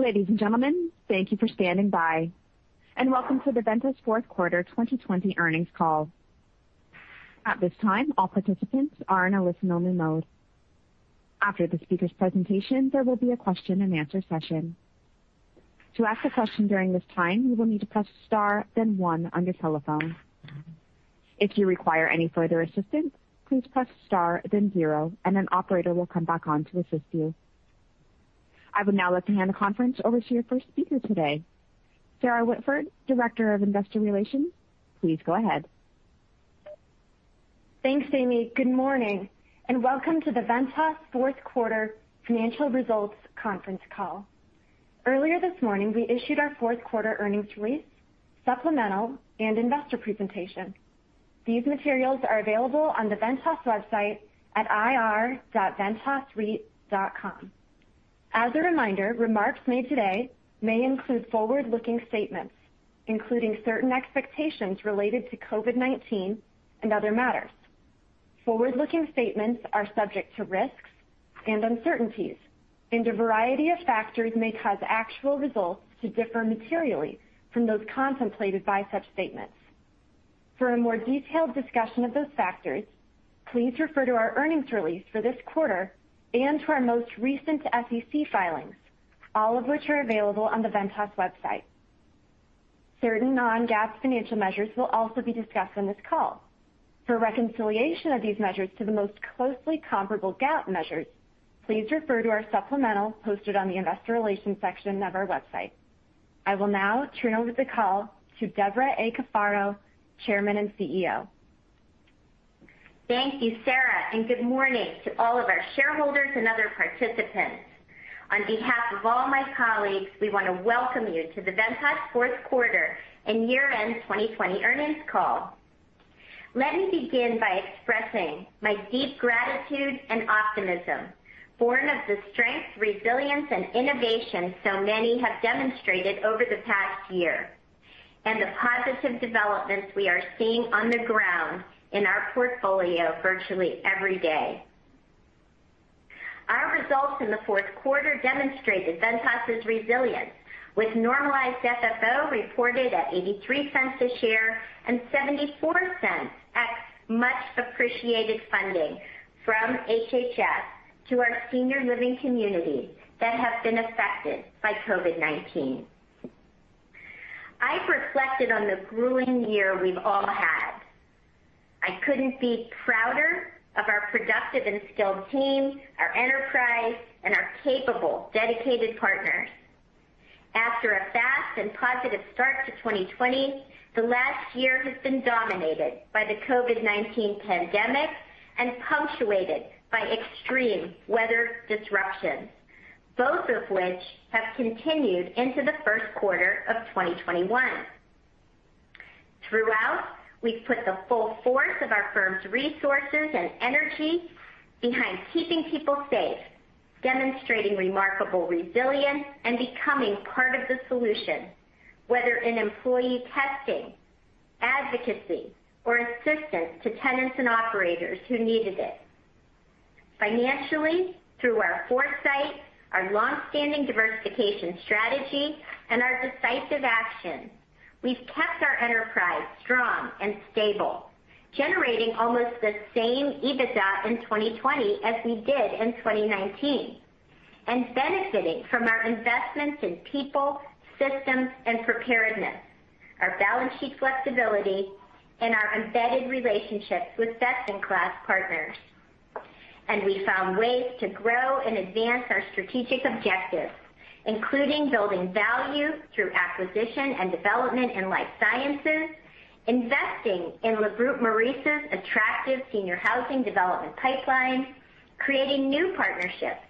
Ladies and gentlemen, thank you for standing by. Welcome to the Ventas Fourth Quarter 2020 Earnings Call. At this time, all participants are in a listen-only mode. After the speaker's presentation, there will be a question and answer session. To ask a question during this time, you will need to press star then one on your telephone. If you require any further assistance, please press star then zero, and an Operator will come back on to assist you. I would now like to hand the conference over to your first speaker today, Sarah Whitford, Director of Investor Relations. Please go ahead. Thanks, Amy. Good morning, and welcome to the Ventas Fourth Quarter Financial Results Conference Call. Earlier this morning, we issued our fourth quarter earnings release, supplemental, and investor presentation. These materials are available on the Ventas website at ir.ventasreit.com. As a reminder, remarks made today may include forward-looking statements, including certain expectations related to COVID-19 and other matters. Forward-looking statements are subject to risks and uncertainties, and a variety of factors may cause actual results to differ materially from those contemplated by such statements. For a more detailed discussion of those factors, please refer to our earnings release for this quarter and to our most recent SEC filings, all of which are available on the Ventas website. Certain non-GAAP financial measures will also be discussed on this call. For reconciliation of these measures to the most closely comparable GAAP measures, please refer to our supplemental posted on the investor relations section of our website. I will now turn over the call to Debra A. Cafaro, Chairman and CEO. Thank you, Sarah. Good morning to all of our shareholders and other participants. On behalf of all my colleagues, we want to welcome you to the Ventas fourth quarter and year-end 2020 earnings call. Let me begin by expressing my deep gratitude and optimism born of the strength, resilience, and innovation so many have demonstrated over the past year, and the positive developments we are seeing on the ground in our portfolio virtually every day. Our results in the fourth quarter demonstrated Ventas' resilience with normalized FFO reported at $0.83 a share and $0.74 at much-appreciated funding from HHS to our senior living communities that have been affected by COVID-19. I've reflected on the grueling year we've all had. I couldn't be prouder of our productive and skilled team, our enterprise, and our capable, dedicated partners. After a fast and positive start to 2020, the last year has been dominated by the COVID-19 pandemic and punctuated by extreme weather disruptions, both of which have continued into the first quarter of 2021. Throughout, we've put the full force of our firm's resources and energy behind keeping people safe, demonstrating remarkable resilience, and becoming part of the solution, whether in employee testing, advocacy, or assistance to tenants and operators who needed it. Financially, through our foresight, our long-standing diversification strategy, and our decisive action, we've kept our enterprise strong and stable, generating almost the same EBITDA in 2020 as we did in 2019, and benefiting from our investments in people, systems, and preparedness, our balance sheet flexibility, and our embedded relationships with best-in-class partners. We found ways to grow and advance our strategic objectives, including building value through acquisition and development in life sciences, investing in Le Groupe Maurice's attractive senior housing development pipeline, creating new partnerships,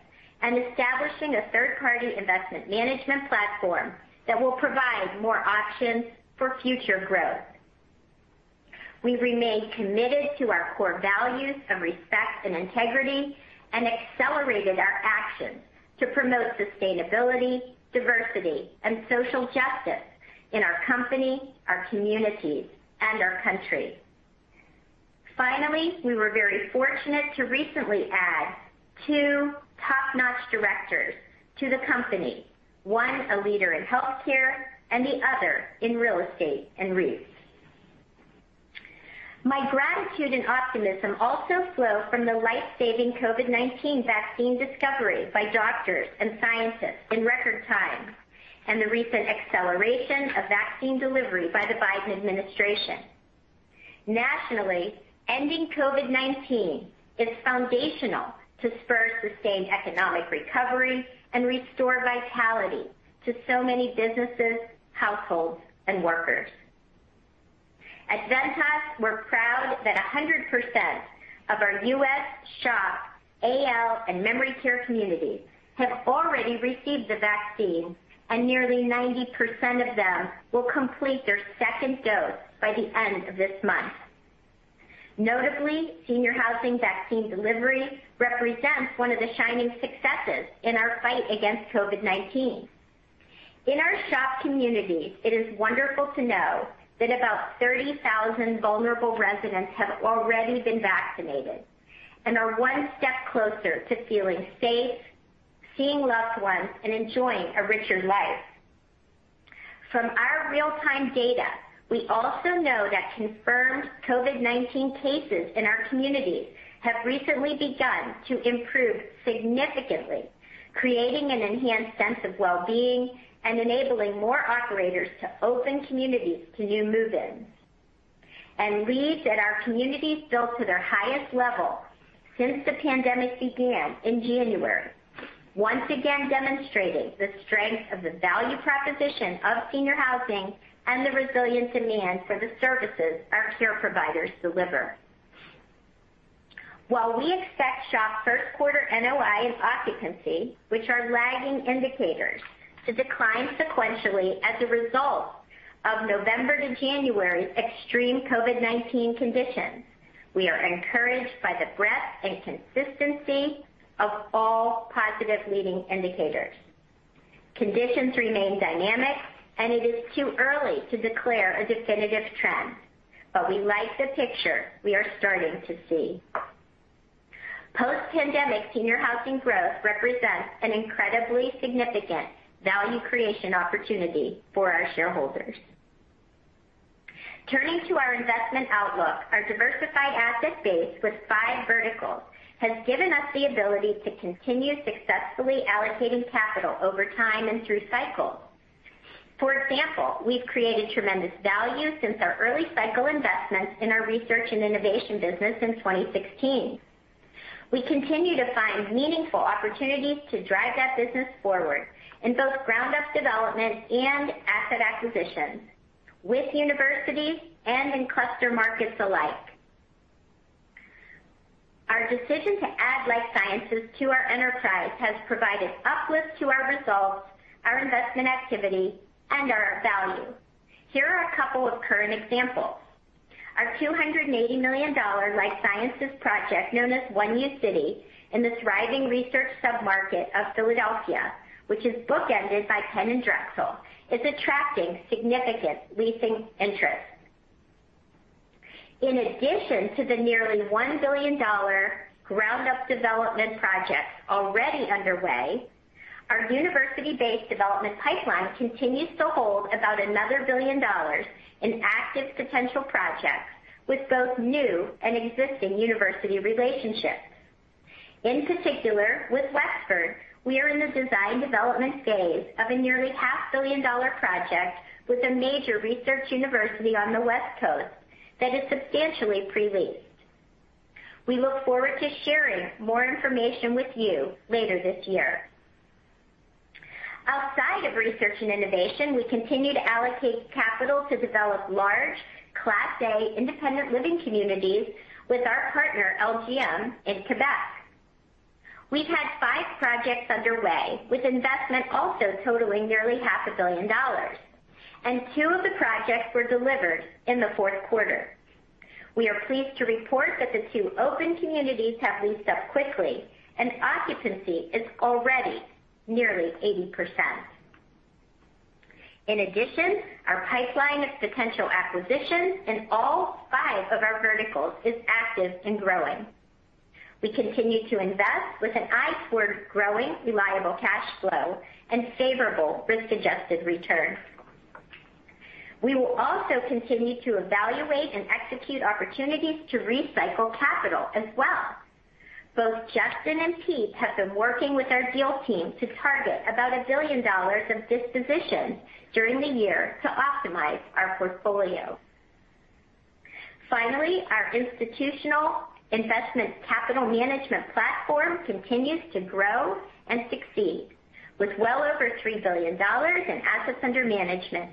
and establishing a third-party investment management platform that will provide more options for future growth. We remain committed to our core values of respect and integrity and accelerated our actions to promote sustainability, diversity, and social justice in our company, our communities, and our country. Finally, we were very fortunate to recently add two top-notch directors to the company, one a leader in healthcare and the other in real estate and REITs. My gratitude and optimism also flow from the life-saving COVID-19 vaccine discovery by doctors and scientists in record time, and the recent acceleration of vaccine delivery by the Biden administration. Nationally, ending COVID-19 is foundational to spur sustained economic recovery and restore vitality to so many businesses, households, and workers. At Ventas, we're proud that 100% of our U.S. SHOP, AL, and memory care communities have already received the vaccine, and nearly 90% of them will complete their second dose by the end of this month. Notably, senior housing vaccine delivery represents one of the shining successes in our fight against COVID-19. In our SHOP communities, it is wonderful to know that about 30,000 vulnerable residents have already been vaccinated and are one step closer to feeling safe, seeing loved ones, and enjoying a richer life. From our real-time data, we also know that confirmed COVID-19 cases in our communities have recently begun to improve significantly, creating an enhanced sense of wellbeing and enabling more operators to open communities to new move-ins. Leads at our communities built to their highest level since the pandemic began in January, once again demonstrating the strength of the value proposition of senior housing and the resilient demand for the services our care providers deliver. While we expect SHOP 1st quarter NOI and occupancy, which are lagging indicators, to decline sequentially as a result of November to January extreme COVID-19 conditions, we are encouraged by the breadth and consistency of all positive leading indicators. Conditions remain dynamic, and it is too early to declare a definitive trend, but we like the picture we are starting to see. Post-pandemic senior housing growth represents an incredibly significant value creation opportunity for our shareholders. Turning to our investment outlook, our diversified asset base with five verticals has given us the ability to continue successfully allocating capital over time and through cycles. For example, we've created tremendous value since our early cycle investments in our research and innovation business in 2016. We continue to find meaningful opportunities to drive that business forward in both ground-up development and asset acquisitions with universities and in cluster markets alike. Our decision to add life sciences to our enterprise has provided uplift to our results, our investment activity, and our value. Here are a couple of current examples. Our $280 million life sciences project known as One uCity in the thriving research sub-market of Philadelphia, which is bookended by Penn and Drexel, is attracting significant leasing interest. In addition to the nearly $1 billion ground-up development projects already underway, our university-based development pipeline continues to hold about another $1 billion in active potential projects with both new and existing university relationships. In particular, with Wexford, we are in the design development phase of a nearly half-billion dollar project with a major research university on the West Coast that is substantially pre-leased. We look forward to sharing more information with you later this year. Outside of research and innovation, we continue to allocate capital to develop large Class A independent living communities with our partner LGM in Quebec. We've had five projects underway, with investment also totaling nearly half a billion dollars, and two of the projects were delivered in the fourth quarter. We are pleased to report that the two open communities have leased up quickly and occupancy is already nearly 80%. In addition, our pipeline of potential acquisitions in all five of our verticals is active and growing. We continue to invest with an eye toward growing reliable cash flow and favorable risk-adjusted return. We will also continue to evaluate and execute opportunities to recycle capital as well. Both Justin and Pete have been working with our deals team to target about $1 billion of dispositions during the year to optimize our portfolio. Our institutional investment capital management platform continues to grow and succeed with well over $3 billion in assets under management.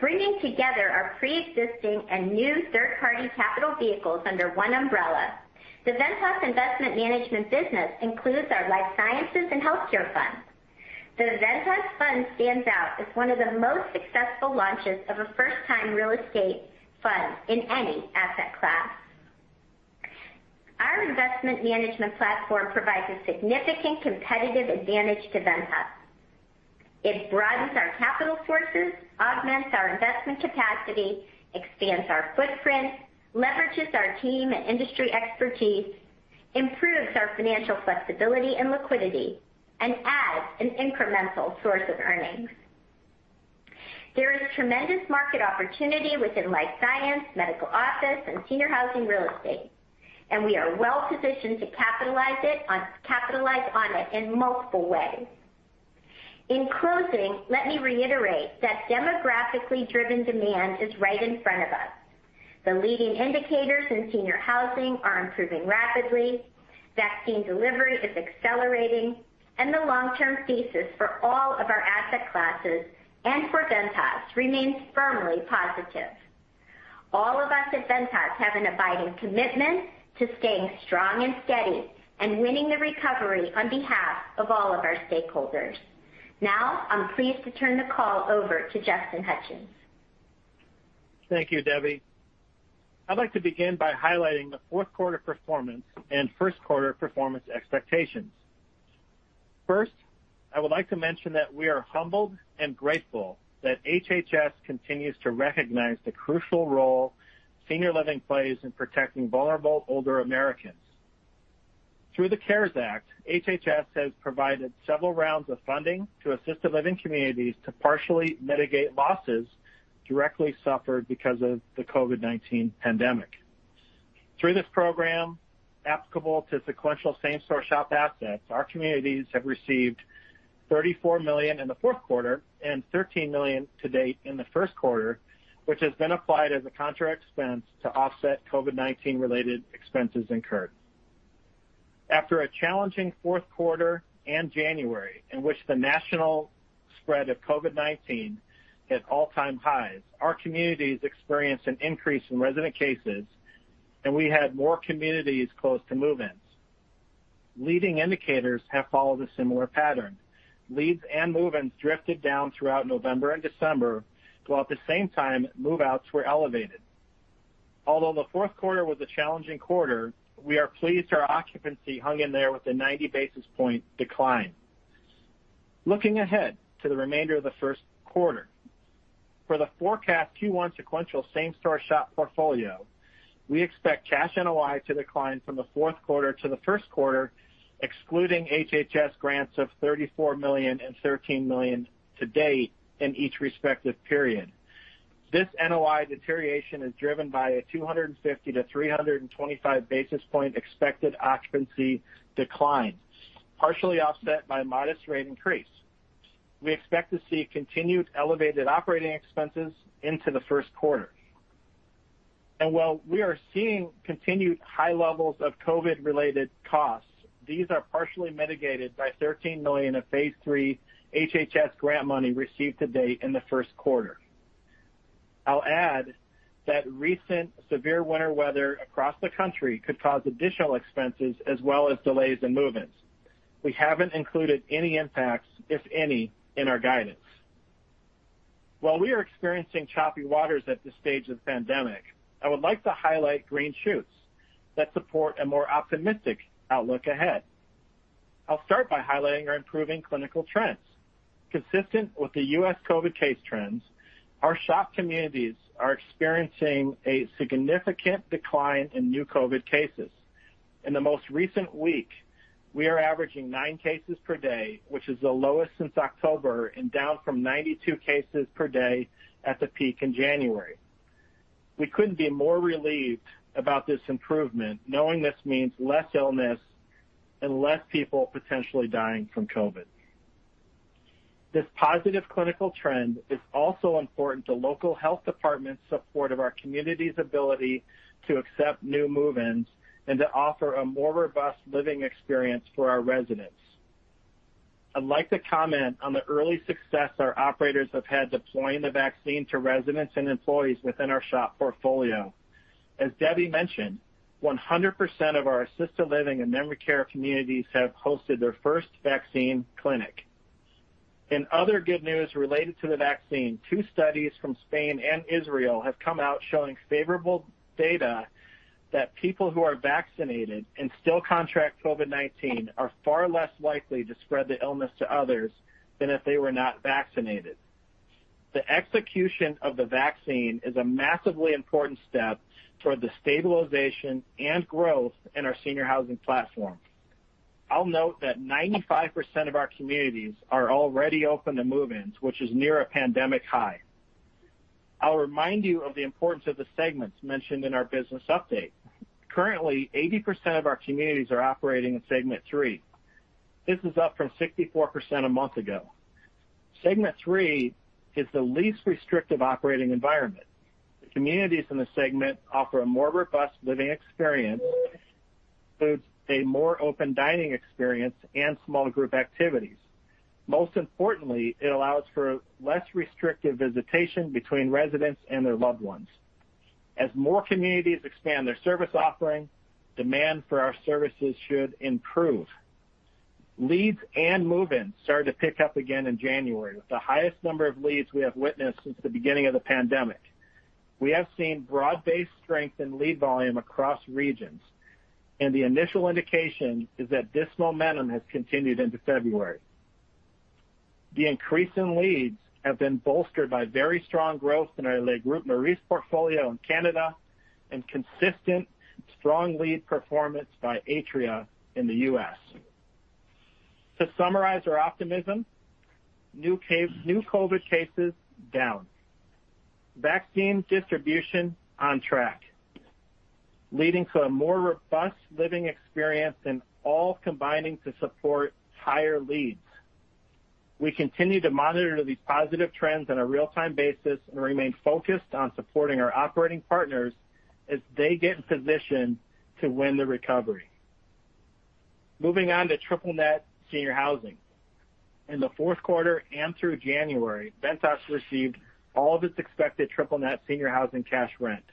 Bringing together our preexisting and new third-party capital vehicles under one umbrella, the Ventas investment management business includes our life sciences and healthcare funds. The Ventas fund stands out as one of the most successful launches of a first-time real estate fund in any asset class. Our investment management platform provides a significant competitive advantage to Ventas. It broadens our capital sources, augments our investment capacity, expands our footprint, leverages our team and industry expertise, improves our financial flexibility and liquidity, and adds an incremental source of earnings. There is tremendous market opportunity within life science, medical office, and senior housing real estate, and we are well positioned to capitalize on it in multiple ways. In closing, let me reiterate that demographically driven demand is right in front of us. The leading indicators in senior housing are improving rapidly. Vaccine delivery is accelerating, and the long-term thesis for all of our asset classes and for Ventas remains firmly positive. All of us at Ventas have an abiding commitment to staying strong and steady and winning the recovery on behalf of all of our stakeholders. Now, I'm pleased to turn the call over to Justin Hutchens Thank you, Debbie. I'd like to begin by highlighting the fourth quarter performance and first quarter performance expectations. First, I would like to mention that we are humbled and grateful that HHS continues to recognize the crucial role senior living plays in protecting vulnerable older Americans. Through the CARES Act, HHS has provided several rounds of funding to assisted living communities to partially mitigate losses directly suffered because of the COVID-19 pandemic. Through this program, applicable to sequential same-store SHOP assets, our communities have received $34 million in the fourth quarter and $13 million to date in the first quarter, which has been applied as a contra expense to offset COVID-19-related expenses incurred. After a challenging fourth quarter and January, in which the national spread of COVID-19 hit all-time highs, our communities experienced an increase in resident cases, and we had more communities close to move-ins. Leading indicators have followed a similar pattern. Leads and move-ins drifted down throughout November and December, while at the same time, move-outs were elevated. Although the fourth quarter was a challenging quarter, we are pleased our occupancy hung in there with a 90 basis point decline. Looking ahead to the remainder of the first quarter. For the forecast Q1 sequential same-store SHOP portfolio, we expect cash NOI to decline from the fourth quarter to the first quarter, excluding HHS grants of $34 million and $13 million to date in each respective period. This NOI deterioration is driven by a 250-325 basis point expected occupancy decline, partially offset by a modest rate increase. We expect to see continued elevated operating expenses into the first quarter. While we are seeing continued high levels of COVID-related costs, these are partially mitigated by $13 million of phase 3 HHS grant money received to date in the first quarter. I'll add that recent severe winter weather across the country could cause additional expenses as well as delays in move-ins. We haven't included any impacts, if any, in our guidance. While we are experiencing choppy waters at this stage of the pandemic, I would like to highlight green shoots that support a more optimistic outlook ahead. I'll start by highlighting our improving clinical trends. Consistent with the U.S. COVID case trends, our SHOP communities are experiencing a significant decline in new COVID cases. In the most recent week, we are averaging nine cases per day, which is the lowest since October and down from 92 cases per day at the peak in January. We couldn't be more relieved about this improvement, knowing this means less illness and less people potentially dying from COVID. This positive clinical trend is also important to local health departments' support of our community's ability to accept new move-ins and to offer a more robust living experience for our residents. I'd like to comment on the early success our operators have had deploying the vaccine to residents and employees within our SHOP portfolio. As Debbie mentioned, 100% of our assisted living and memory care communities have hosted their first vaccine clinic. In other good news related to the vaccine, two studies from Spain and Israel have come out showing favorable data that people who are vaccinated and still contract COVID-19 are far less likely to spread the illness to others than if they were not vaccinated. The execution of the vaccine is a massively important step toward the stabilization and growth in our senior housing platform. I'll note that 95% of our communities are already open to move-ins, which is near a pandemic high. I'll remind you of the importance of the segments mentioned in our business update. Currently, 80% of our communities are operating in segment 3. This is up from 64% a month ago. Segment 3 is the least restrictive operating environment. The communities in this segment offer a more robust living experience, includes a more open dining experience and small group activities. Most importantly, it allows for less restrictive visitation between residents and their loved ones. As more communities expand their service offering, demand for our services should improve. Leads and move-ins started to pick up again in January, with the highest number of leads we have witnessed since the beginning of the pandemic. The initial indication is that this momentum has continued into February. The increase in leads have been bolstered by very strong growth in our Le Groupe Maurice portfolio in Canada and consistent strong lead performance by Atria in the U.S. To summarize our optimism, new COVID cases down. Vaccine distribution on track, leading to a more robust living experience and all combining to support higher leads. We continue to monitor these positive trends on a real-time basis and remain focused on supporting our operating partners as they get in position to win the recovery. Moving on to triple net senior housing. In the fourth quarter and through January, Ventas received all of its expected triple net senior housing cash rent.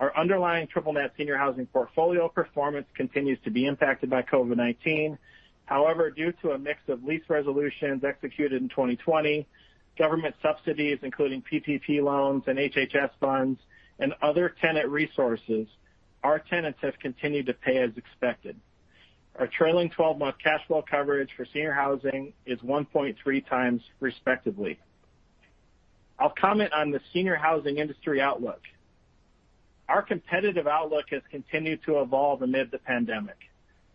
Our underlying triple net senior housing portfolio performance continues to be impacted by Covid-19. Due to a mix of lease resolutions executed in 2020, government subsidies, including PPP loans and HHS funds and other tenant resources, our tenants have continued to pay as expected. Our trailing 12-month cash flow coverage for senior housing is 1.3 times respectively. I'll comment on the senior housing industry outlook. Our competitive outlook has continued to evolve amid the pandemic.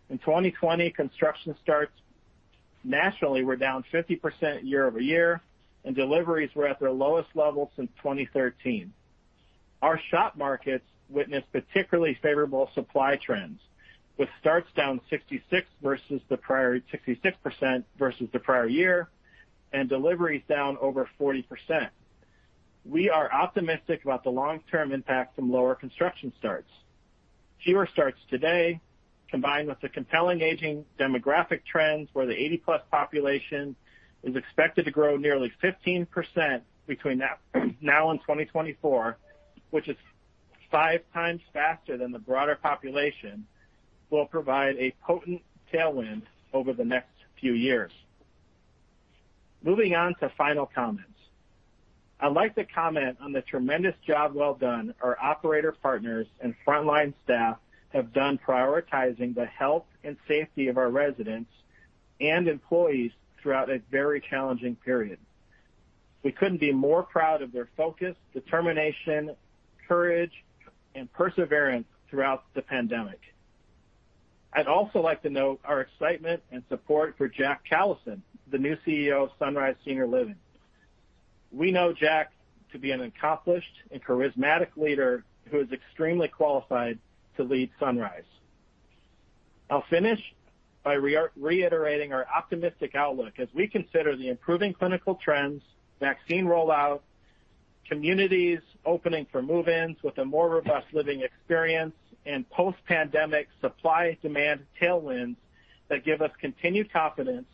In 2020, construction starts nationally were down 50% year-over-year, and deliveries were at their lowest level since 2013. Our SHOP markets witnessed particularly favorable supply trends, with starts down 66% versus the prior year, and deliveries down over 40%. We are optimistic about the long-term impact from lower construction starts. Fewer starts today, combined with the compelling aging demographic trends where the 80-plus population is expected to grow nearly 15% between now and 2024, which is five times faster than the broader population, will provide a potent tailwind over the next few years. Moving on to final comments. I'd like to comment on the tremendous job well done our operator partners and frontline staff have done prioritizing the health and safety of our residents and employees throughout a very challenging period. We couldn't be more proud of their focus, determination, courage, and perseverance throughout the pandemic. I'd also like to note our excitement and support for Jack Callison, the new CEO of Sunrise Senior Living. We know Jack to be an accomplished and charismatic leader who is extremely qualified to lead Sunrise. I'll finish by reiterating our optimistic outlook as we consider the improving clinical trends, vaccine rollout, communities opening for move-ins with a more robust living experience, and post-pandemic supply / demand tailwinds that give us continued confidence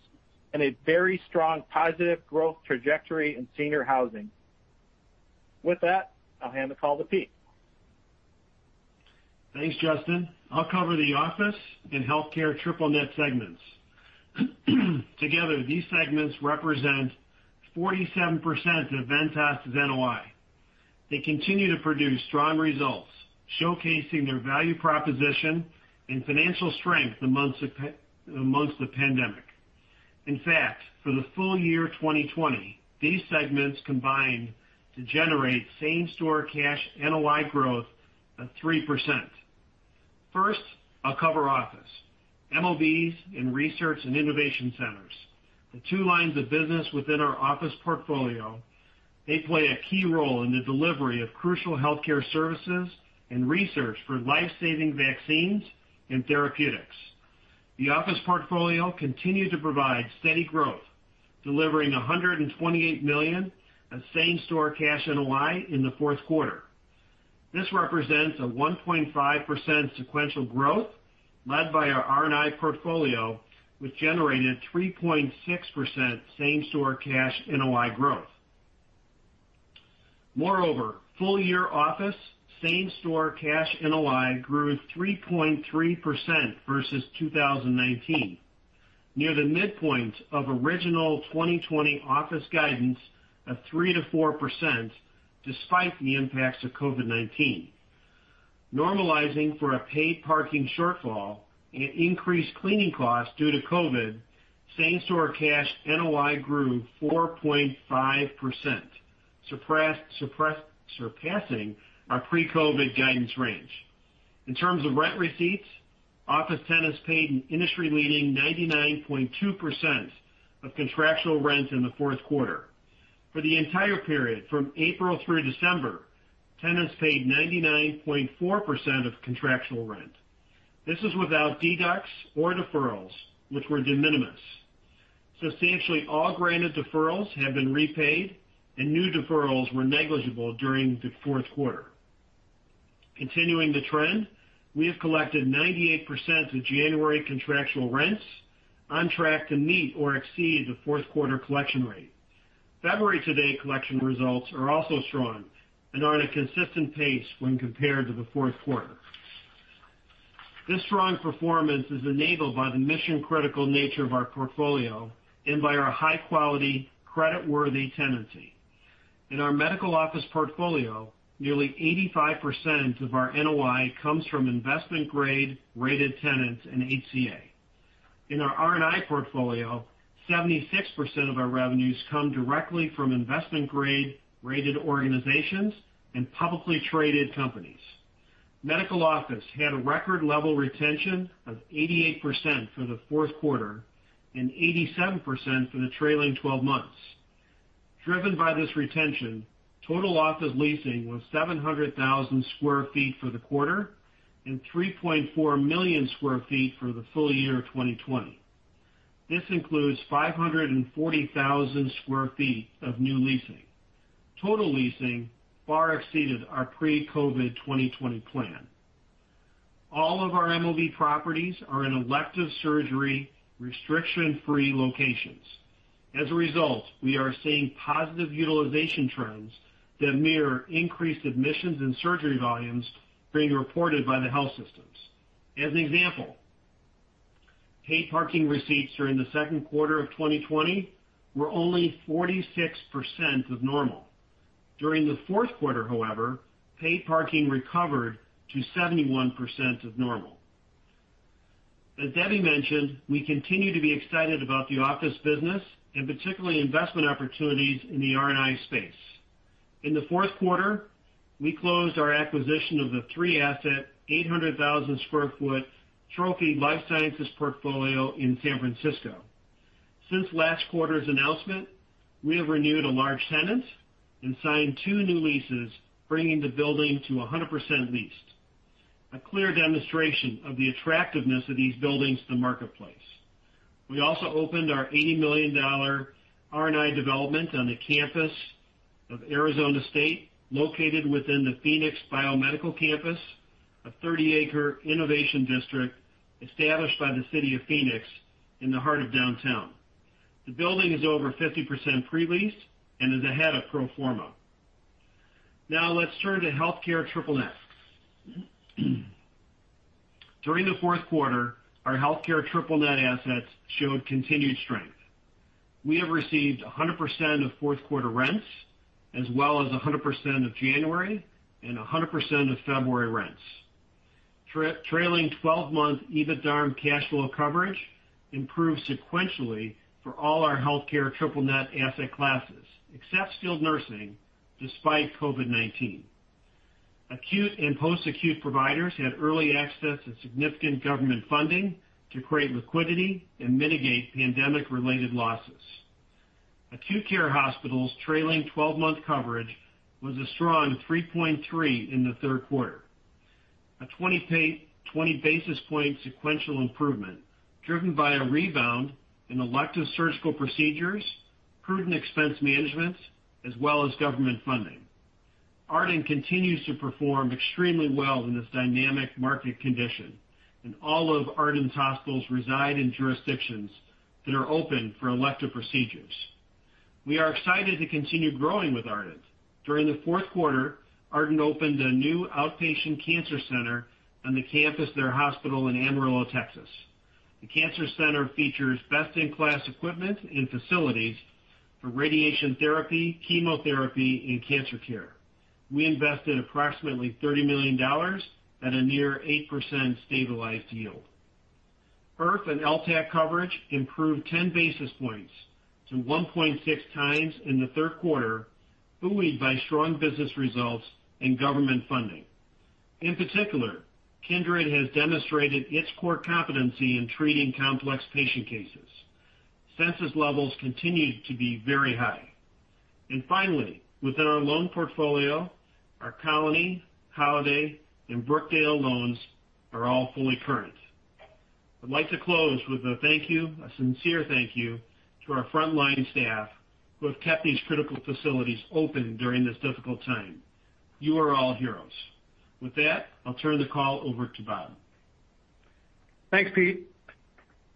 in a very strong, positive growth trajectory in senior housing. With that, I'll hand the call to Pete. Thanks, Justin. I'll cover the office and healthcare triple net segments. Together, these segments represent 47% of Ventas' NOI. They continue to produce strong results, showcasing their value proposition and financial strength amongst the pandemic. In fact, for the full year 2020, these segments combined to generate same-store cash NOI growth of 3%. First, I'll cover office. MOBs and research and innovation centers. The two lines of business within our office portfolio, they play a key role in the delivery of crucial healthcare services and research for life-saving vaccines and therapeutics. The office portfolio continued to provide steady growth, delivering $128 million of same-store cash NOI in the fourth quarter. This represents a 1.5% sequential growth led by our R&I portfolio, which generated 3.6% same-store cash NOI growth. Moreover, full-year office same-store cash NOI grew 3.3% versus 2019, near the midpoint of original 2020 office guidance of 3%-4%, despite the impacts of COVID-19. Normalizing for a paid parking shortfall and increased cleaning costs due to COVID, same-store cash NOI grew 4.5%, surpassing our pre-COVID guidance range. In terms of rent receipts, office tenants paid an industry-leading 99.2% of contractual rent in the fourth quarter. For the entire period from April through December, tenants paid 99.4% of contractual rent. This is without deducts or deferrals, which were de minimis. Substantially all granted deferrals have been repaid, and new deferrals were negligible during the fourth quarter. Continuing the trend, we have collected 98% of January contractual rents, on track to meet or exceed the fourth quarter collection rate. February today collection results are also strong and are at a consistent pace when compared to the fourth quarter. This strong performance is enabled by the mission-critical nature of our portfolio and by our high-quality, creditworthy tenancy. In our medical office portfolio, nearly 85% of our NOI comes from investment-grade rated tenants and HCA. In our R&I portfolio, 76% of our revenues come directly from investment-grade rated organizations and publicly traded companies. Medical office had a record level retention of 88% for the fourth quarter and 87% for the trailing 12 months. Driven by this retention, total office leasing was 700,000 sq feet for the quarter and 3.4 million sq feet for the full year 2020. This includes 540,000 sq feet of new leasing. Total leasing far exceeded our pre-Covid 2020 plan. All of our MOB properties are in elective surgery restriction-free locations. As a result, we are seeing positive utilization trends that mirror increased admissions and surgery volumes being reported by the health systems. As an example, paid parking receipts during the second quarter of 2020 were only 46% of normal. During the fourth quarter, however, paid parking recovered to 71% of normal. As Debbie mentioned, we continue to be excited about the office business, and particularly investment opportunities in the R&I space. In the fourth quarter, we closed our acquisition of the three-asset, 800,000 sq ft trophy life sciences portfolio in San Francisco. Since last quarter's announcement, we have renewed a large tenant and signed two new leases, bringing the building to 100% leased, a clear demonstration of the attractiveness of these buildings to the marketplace. We also opened our $80 million R&I development on the campus of Arizona State, located within the Phoenix Biomedical Campus, a 30-acre innovation district established by the City of Phoenix in the heart of downtown. The building is over 50% pre-leased and is ahead of pro forma. Let's turn to healthcare triple net. During the fourth quarter, our healthcare triple net assets showed continued strength. We have received 100% of fourth quarter rents, as well as 100% of January and 100% of February rents. Trailing 12-month EBITDA and cash flow coverage improved sequentially for all our healthcare triple net asset classes, except skilled nursing, despite COVID-19. Acute and post-acute providers had early access to significant government funding to create liquidity and mitigate pandemic-related losses. Acute care hospitals' trailing 12-month coverage was a strong 3.3 in the third quarter, a 20 basis point sequential improvement driven by a rebound in elective surgical procedures, prudent expense management, as well as government funding. Ardent continues to perform extremely well in this dynamic market condition. All of Ardent's hospitals reside in jurisdictions that are open for elective procedures. We are excited to continue growing with Ardent. During the fourth quarter, Ardent opened a new outpatient cancer center on the campus of their hospital in Amarillo, Texas. The cancer center features best-in-class equipment and facilities for radiation therapy, chemotherapy, and cancer care. We invested approximately $30 million at a near 8% stabilized yield. IRF and LTAC coverage improved 10 basis points to 1.6 times in the third quarter, buoyed by strong business results and government funding. In particular, Kindred has demonstrated its core competency in treating complex patient cases. Census levels continue to be very high. Finally, within our loan portfolio, our Colony, Holiday, and Brookdale loans are all fully current. I'd like to close with a thank you, a sincere thank you, to our frontline staff who have kept these critical facilities open during this difficult time. You are all heroes. With that, I'll turn the call over to Bob. Thanks, Pete.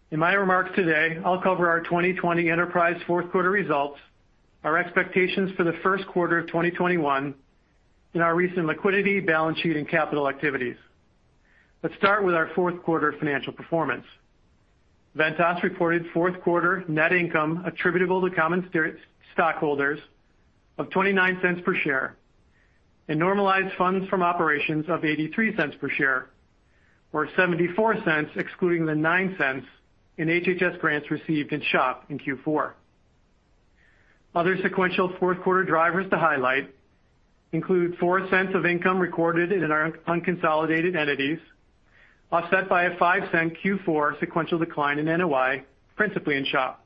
In my remarks today, I'll cover our 2020 enterprise fourth quarter results, our expectations for the first quarter of 2021, and our recent liquidity, balance sheet, and capital activities. Let's start with our fourth quarter financial performance. Ventas reported fourth quarter net income attributable to common stockholders of $0.29 per share and normalized funds from operations of $0.83 per share, or $0.74 excluding the $0.09 in HHS grants received in SHOP in Q4. Other sequential fourth quarter drivers to highlight include $0.04 of income recorded in our unconsolidated entities, offset by a $0.05 Q4 sequential decline in NOI, principally in SHOP.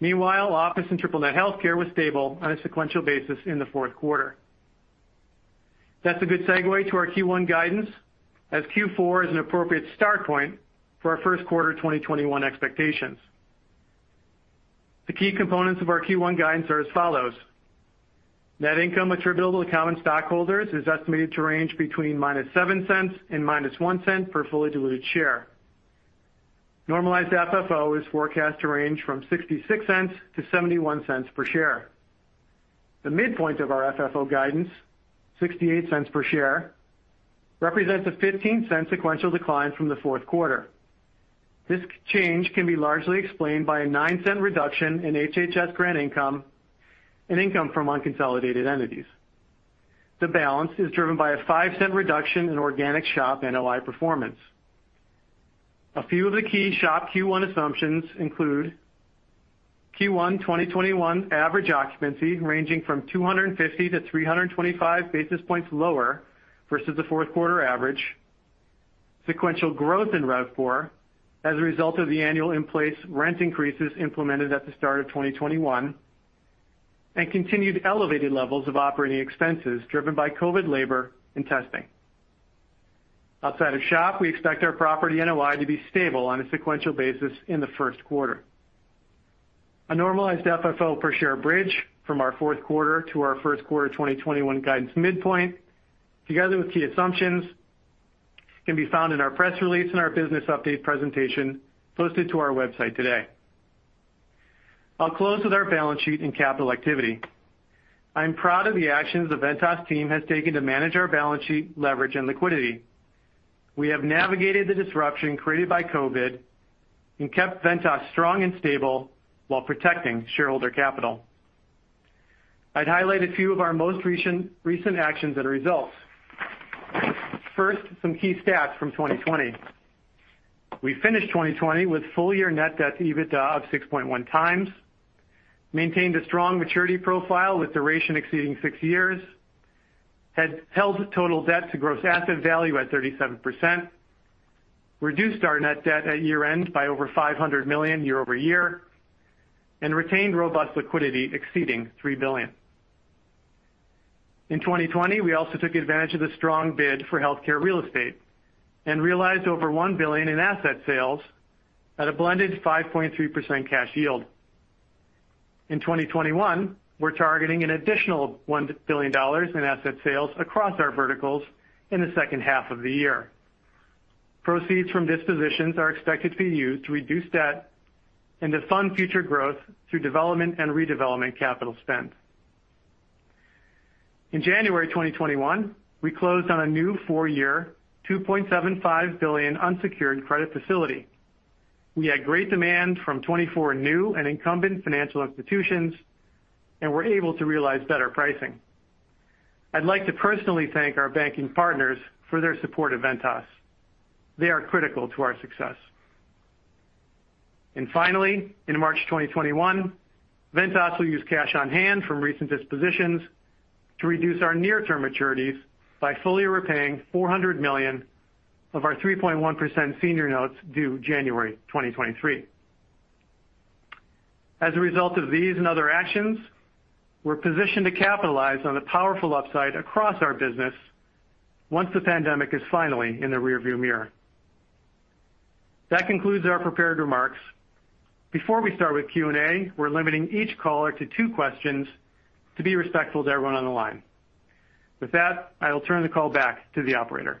Meanwhile, office and triple net healthcare was stable on a sequential basis in the fourth quarter. That's a good segue to our Q1 guidance, as Q4 is an appropriate start point for our first quarter 2021 expectations. The key components of our Q1 guidance are as follows. Net income attributable to common stockholders is estimated to range between -$0.07 and -$0.01 per fully diluted share. Normalized FFO is forecast to range from $0.66-$0.71 per share. The midpoint of our FFO guidance, $0.68 per share, represents a $0.15 sequential decline from the fourth quarter. This change can be largely explained by a $0.09 reduction in HHS grant income and income from unconsolidated entities. The balance is driven by a $0.05 reduction in organic SHOP NOI performance. A few of the key SHOP Q1 assumptions include Q1 2021 average occupancy ranging from 250-325 basis points lower versus the fourth quarter average, sequential growth in RevPOR as a result of the annual in-place rent increases implemented at the start of 2021, and continued elevated levels of operating expenses driven by COVID labor and testing. Outside of SHOP, we expect our property NOI to be stable on a sequential basis in the first quarter. A normalized FFO per share bridge from our fourth quarter to our first quarter 2021 guidance midpoint, together with key assumptions, can be found in our press release and our business update presentation posted to our website today. I'll close with our balance sheet and capital activity. I am proud of the actions the Ventas team has taken to manage our balance sheet leverage and liquidity. We have navigated the disruption created by COVID and kept Ventas strong and stable while protecting shareholder capital. I'd highlight a few of our most recent actions and results. First, some key stats from 2020. We finished 2020 with full-year net debt to EBITDA of 6.1 times, maintained a strong maturity profile with duration exceeding six years, held total debt to gross asset value at 37%, reduced our net debt at year-end by over $500 million year-over-year, and retained robust liquidity exceeding $3 billion. In 2020, we also took advantage of the strong bid for healthcare real estate and realized over $1 billion in asset sales at a blended 5.3% cash yield. In 2021, we're targeting an additional $1 billion in asset sales across our verticals in the second half of the year. Proceeds from dispositions are expected to be used to reduce debt and to fund future growth through development and redevelopment capital spend. In January 2021, we closed on a new four-year, $2.75 billion unsecured credit facility. Were able to realize better pricing. I'd like to personally thank our banking partners for their support of Ventas. They are critical to our success. Finally, in March 2021, Ventas will use cash on hand from recent dispositions to reduce our near-term maturities by fully repaying $400 million of our 3.1% senior notes due January 2023. As a result of these and other actions, we're positioned to capitalize on the powerful upside across our business once the pandemic is finally in the rear-view mirror. That concludes our prepared remarks. Before we start with Q&A, we're limiting each caller to two questions to be respectful to everyone on the line. With that, I will turn the call back to the operator.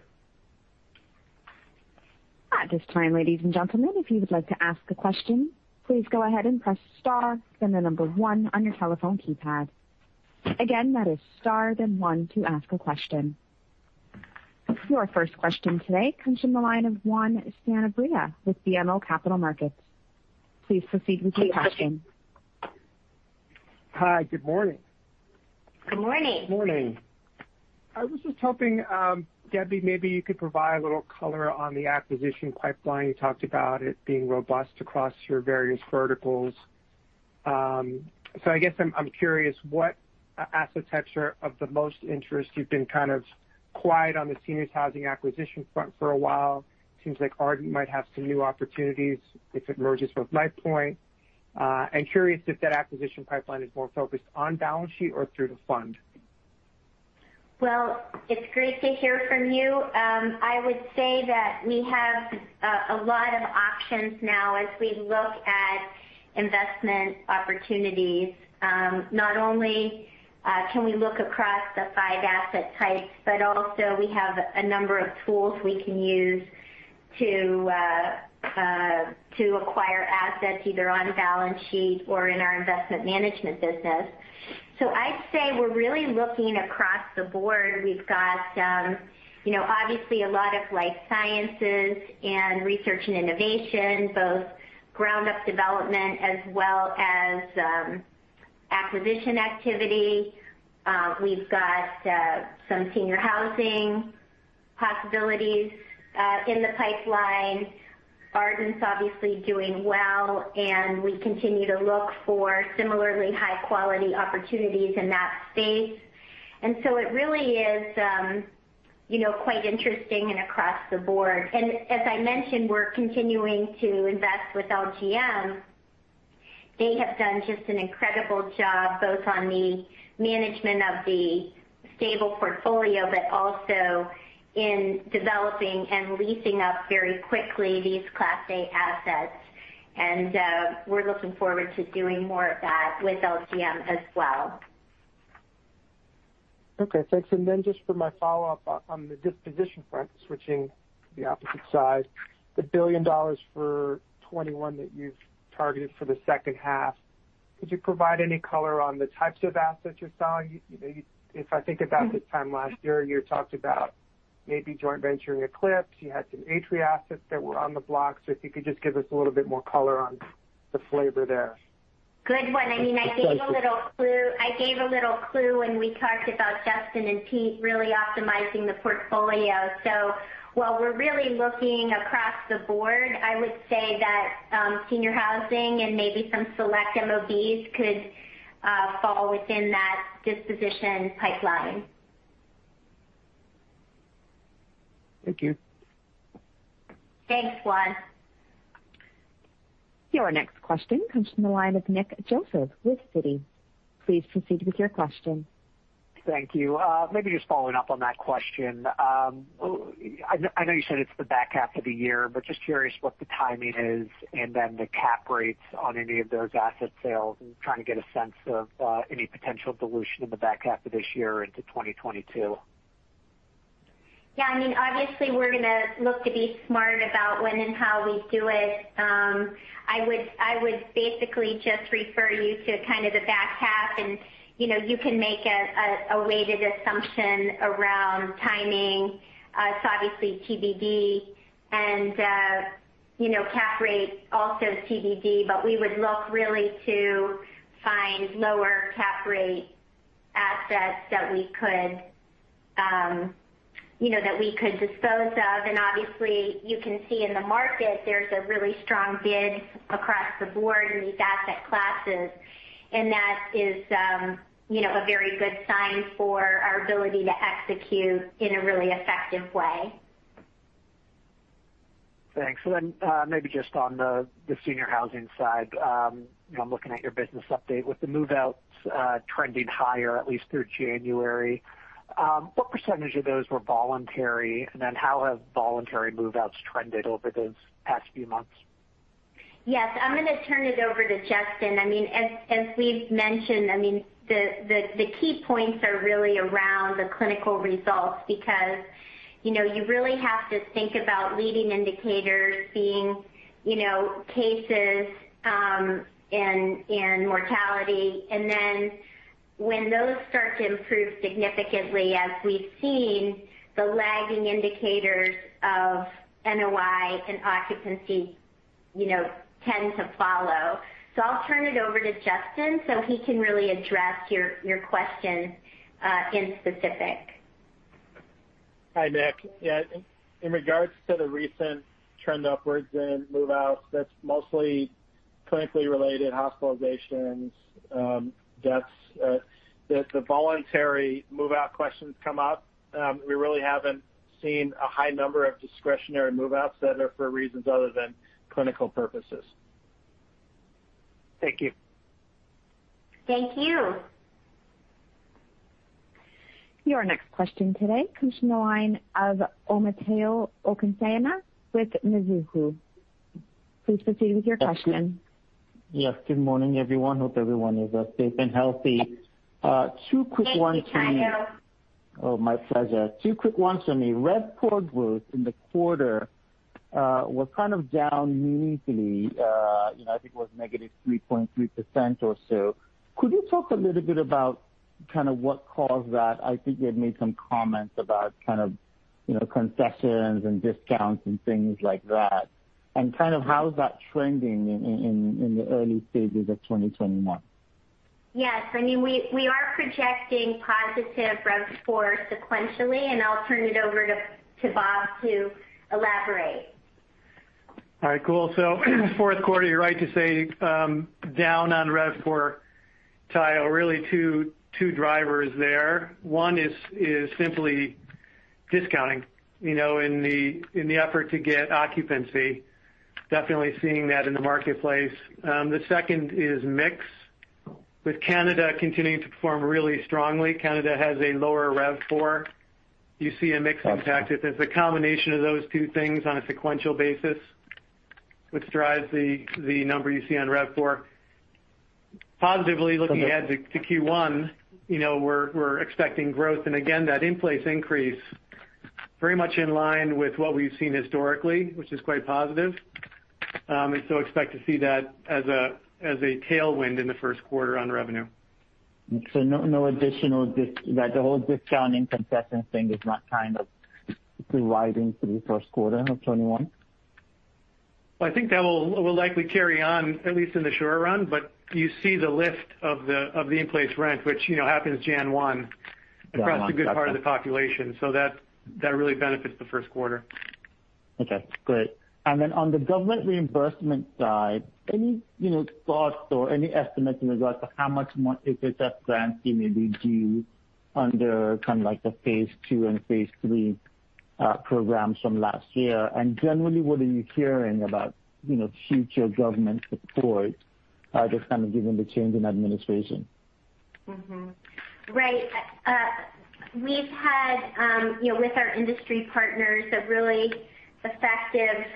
At this time, ladies and gentlemen, if you would like to ask a question, please go ahead and press star, then the number one on your telephone keypad. Again, that is star, then one to ask a question. Your first question today comes from the line of Juan Sanabria with BMO Capital Markets. Please proceed with your question. Hi. Good morning. Good morning. Good morning. I was just hoping, Debbie, maybe you could provide a little color on the acquisition pipeline. You talked about it being robust across your various verticals. I guess I'm curious what asset types are of the most interest. You've been kind of quiet on the seniors housing acquisition front for a while. Seems like Ardent might have some new opportunities if it merges with LifePoint. I'm curious if that acquisition pipeline is more focused on balance sheet or through the fund. Well, it's great to hear from you. I would say that we have a lot of options now as we look at investment opportunities. Not only can we look across the five asset types, but also we have a number of tools we can use to acquire assets, either on balance sheet or in our investment management business. I'd say we're really looking across the board. We've got obviously a lot of life sciences and research and innovation, both ground-up development as well as acquisition activity. We've got some senior housing possibilities in the pipeline. Ardent's obviously doing well, and we continue to look for similarly high-quality opportunities in that space. It really is quite interesting and across the board. As I mentioned, we're continuing to invest with LGM. They have done just an incredible job, both on the management of the stable portfolio, but also in developing and leasing up very quickly these Class A assets. We're looking forward to doing more of that with LGM as well. Okay. Thanks. Then just for my follow-up on the disposition front, switching to the opposite side, the $1 billion for 2021 that you've targeted for the second half. Could you provide any color on the types of assets you're selling? If I think about this time last year, you talked about maybe joint venturing Eclipse. You had some Atria assets that were on the block. If you could just give us a little bit more color on the flavor there. Good one. I gave a little clue when we talked about Justin and Pete really optimizing the portfolio. While we're really looking across the board, I would say that senior housing and maybe some select MOBs could fall within that disposition pipeline. Thank you. Thanks, Juan. Your next question comes from the line of Nicholas Joseph with Citi. Please proceed with your question Thank you. Maybe just following up on that question. I know you said it's the back half of the year, but just curious what the timing is and then the cap rates on any of those asset sales. Trying to get a sense of any potential dilution in the back half of this year into 2022. Yeah. Obviously, we're going to look to be smart about when and how we do it. I would basically just refer you to kind of the back half and, you can make a weighted assumption around timing. It's obviously TBD and cap rate also is TBD. We would look really to find lower cap rate assets that we could dispose of. Obviously, you can see in the market, there's a really strong bid across the board in these asset classes, and that is a very good sign for our ability to execute in a really effective way. Thanks. Maybe just on the senior housing side, I'm looking at your business update. With the move-outs trending higher, at least through January, what percentage of those were voluntary? How have voluntary move-outs trended over those past few months? Yes, I'm going to turn it over to Justin. As we've mentioned, the key points are really around the clinical results because you really have to think about leading indicators being cases and mortality. When those start to improve significantly, as we've seen, the lagging indicators of NOI and occupancy tend to follow. I'll turn it over to Justin so he can really address your question in specific. Hi, Nick. Yeah. In regards to the recent trend upwards in move-outs, that's mostly clinically related hospitalizations, deaths. The voluntary move-out questions come up. We really haven't seen a high number of discretionary move-outs that are for reasons other than clinical purposes. Thank you. Thank you. Your next question today comes from the line of Omotayo Okusanya with Mizuho. Please proceed with your question. Yes. Good morning, everyone. Hope everyone is safe and healthy. Two quick ones for me. Thank you, Tayo. Oh, my pleasure. Two quick ones for me. RevPOR growth in the quarter were kind of down meaningfully. I think it was -3.3% or so. Could you talk a little bit about kind of what caused that? I think you had made some comments about kind of concessions and discounts and things like that, and kind of how is that trending in the early stages of 2021? Yes. We are projecting positive RevPOR sequentially, and I'll turn it over to Bob to elaborate. All right, cool. Fourth quarter, you're right to say, down on RevPOR. Tayo, really two drivers there. One is simply discounting in the effort to get occupancy. Definitely seeing that in the marketplace. The second is mix. With Canada continuing to perform really strongly, Canada has a lower RevPOR. You see a mix impact. It's a combination of those two things on a sequential basis, which drives the number you see on RevPOR. Positively looking ahead to Q1, we're expecting growth, and again, that in-place increase, very much in line with what we've seen historically, which is quite positive. Expect to see that as a tailwind in the first quarter on revenue. The whole discounting concession thing is not kind of providing for the first quarter of 2021? I think that will likely carry on, at least in the short run. You see the lift of the in-place rent, which happens January 1. January one, gotcha across a good part of the population. That really benefits the first quarter. Okay, great. On the government reimbursement side, any thoughts or any estimates in regards to how much more HHS grants you may be due under kind of like the phase two and phase three programs from last year? Generally, what are you hearing about future government support, just kind of given the change in administration? Right. We've had, with our industry partners, a really effective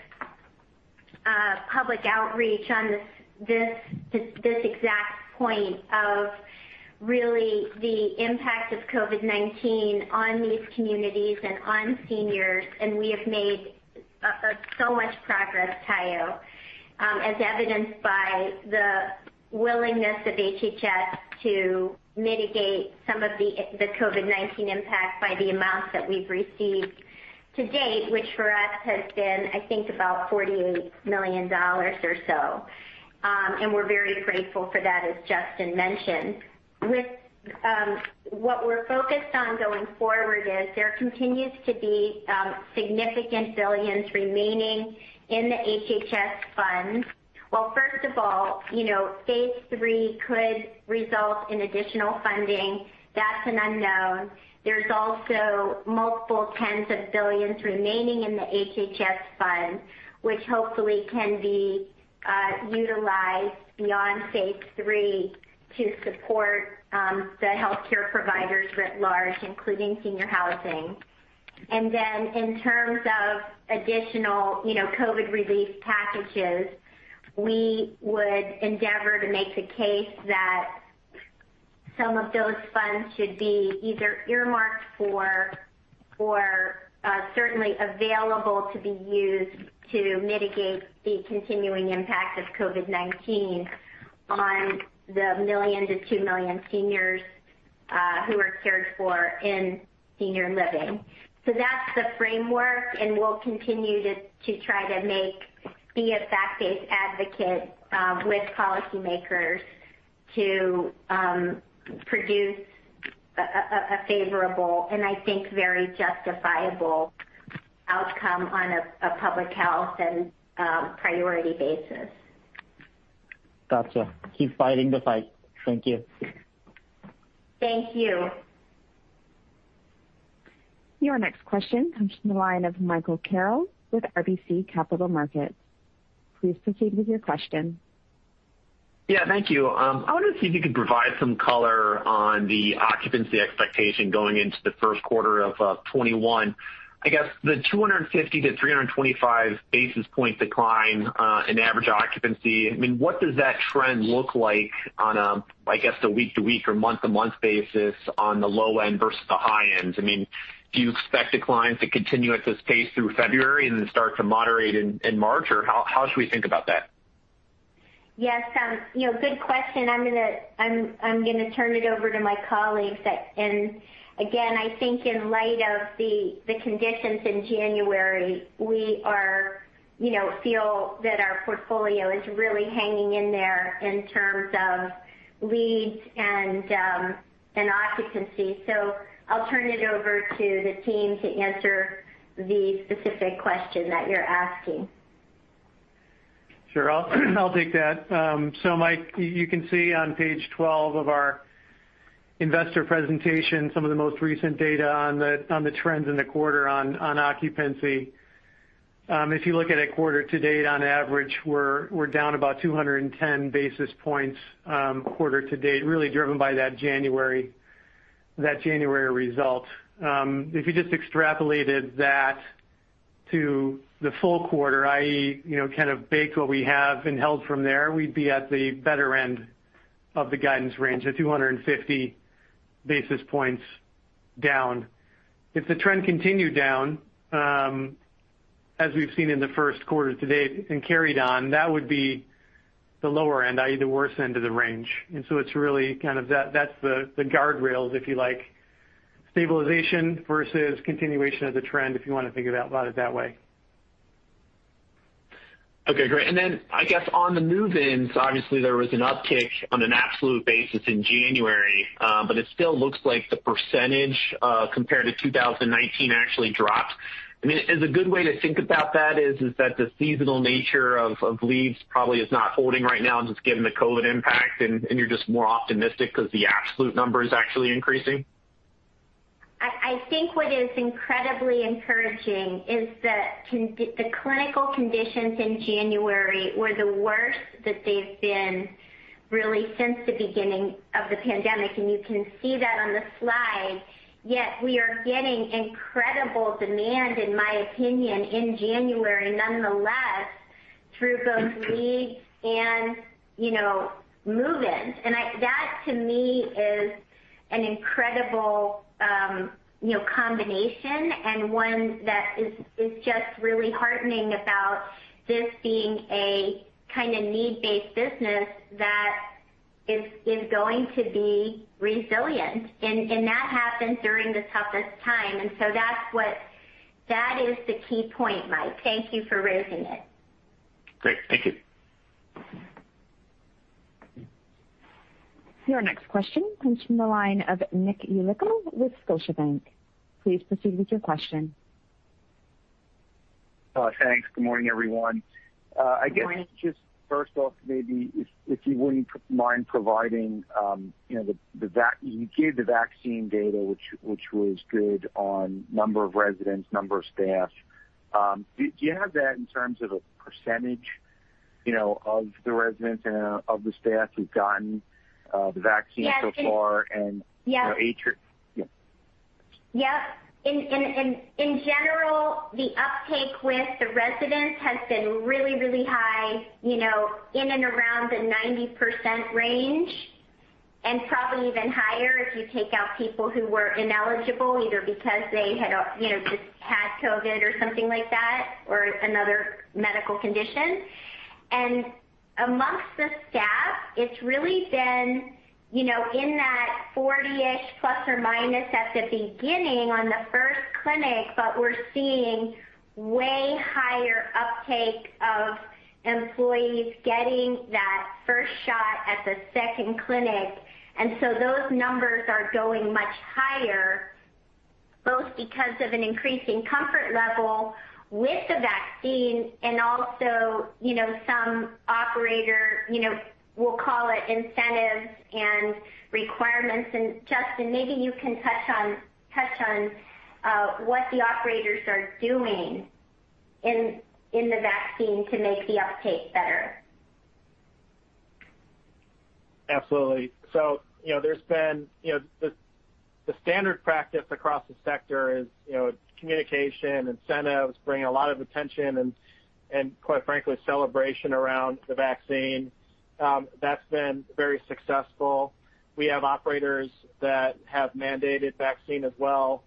public outreach on this exact point of really the impact of COVID-19 on these communities and on seniors. We have made so much progress, Tayo, as evidenced by the willingness of HHS to mitigate some of the COVID-19 impact by the amounts that we've received to date, which for us has been, I think, about $48 million or so. We're very grateful for that, as Justin mentioned. What we're focused on going forward is there continues to be significant billions remaining in the HHS funds. Well, first of all, phase three could result in additional funding. That's an unknown. There's also multiple tens of billions remaining in the HHS fund, which hopefully can be utilized beyond phase three to support the healthcare providers writ large, including senior housing. In terms of additional COVID relief packages, we would endeavor to make the case that some of those funds should be either earmarked for or certainly available to be used to mitigate the continuing impact of COVID-19 on the 1 million to 2 million seniors who are cared for in senior living. That's the framework, and we'll continue to try to be a fact-based advocate with policymakers to produce a favorable, and I think, very justifiable outcome on a public health and priority basis. Got you. Keep fighting the fight. Thank you. Thank you. Your next question comes from the line of Michael Carroll with RBC Capital Markets. Please proceed with your question. Yeah, thank you. I wanted to see if you could provide some color on the occupancy expectation going into the first quarter of 2021. I guess the 250 to 325 basis point decline in average occupancy, what does that trend look like on a, I guess, a week-to-week or month-to-month basis on the low end versus the high end? Do you expect declines to continue at this pace through February and then start to moderate in March? How should we think about that? Yes. Good question. I'm going to turn it over to my colleagues. Again, I think in light of the conditions in January, we feel that our portfolio is really hanging in there in terms of leads and occupancy. I'll turn it over to the team to answer the specific question that you're asking. Sure. I'll take that. Mike, you can see on page 12 of our investor presentation some of the most recent data on the trends in the quarter on occupancy. If you look at it quarter to date on average, we're down about 210 basis points quarter to date, really driven by that January result. If you just extrapolated that to the full quarter, i.e., kind of bake what we have and held from there, we'd be at the better end of the guidance range at 250 basis points down. If the trend continued down, as we've seen in the first quarter to date and carried on, that would be the lower end, i.e., the worse end of the range. That's the guard rails, if you like. Stabilization versus continuation of the trend, if you want to think about it that way. Okay, great. I guess on the move-ins, obviously there was an uptick on an absolute basis in January, but it still looks like the percentage compared to 2019 actually dropped. Is a good way to think about that is that the seasonal nature of leads probably is not holding right now just given the COVID impact, and you're just more optimistic because the absolute number is actually increasing? I think what is incredibly encouraging is that the clinical conditions in January were the worst that they've been really since the beginning of the pandemic. You can see that on the slide. Yet we are getting incredible demand, in my opinion, in January nonetheless through both leads and move-ins. That to me is an incredible combination and one that is just really heartening about this being a kind of need-based business that is going to be resilient. That happened during the toughest time. That is the key point, Mike. Thank you for raising it. Great. Thank you. Your next question comes from the line of Nicholas Yulico with Scotiabank. Please proceed with your question. Thanks. Good morning, everyone. Good morning. I guess just first off, maybe if you wouldn't mind providing the. You gave the vaccine data which was good on number of residents, number of staff. Do you have that in terms of a percentage of the residents and of the staff who've gotten the vaccine so far? Yes. Yeah. Yep. In general, the uptake with the residents has been really, really high, in and around the 90% range, and probably even higher if you take out people who were ineligible, either because they had just had COVID or something like that, or another medical condition. Amongst the staff, it's really been in that 40-ish plus or minus at the beginning on the first clinic, but we're seeing way higher uptake of employees getting that first shot at the second clinic. Those numbers are going much higher, both because of an increasing comfort level with the vaccine and also some operator, we'll call it incentives and requirements. Justin, maybe you can touch on what the operators are doing in the vaccine to make the uptake better. Absolutely. The standard practice across the sector is communication, incentives, bringing a lot of attention, and quite frankly, celebration around the vaccine. That has been very successful. We have operators that have mandated vaccine as well.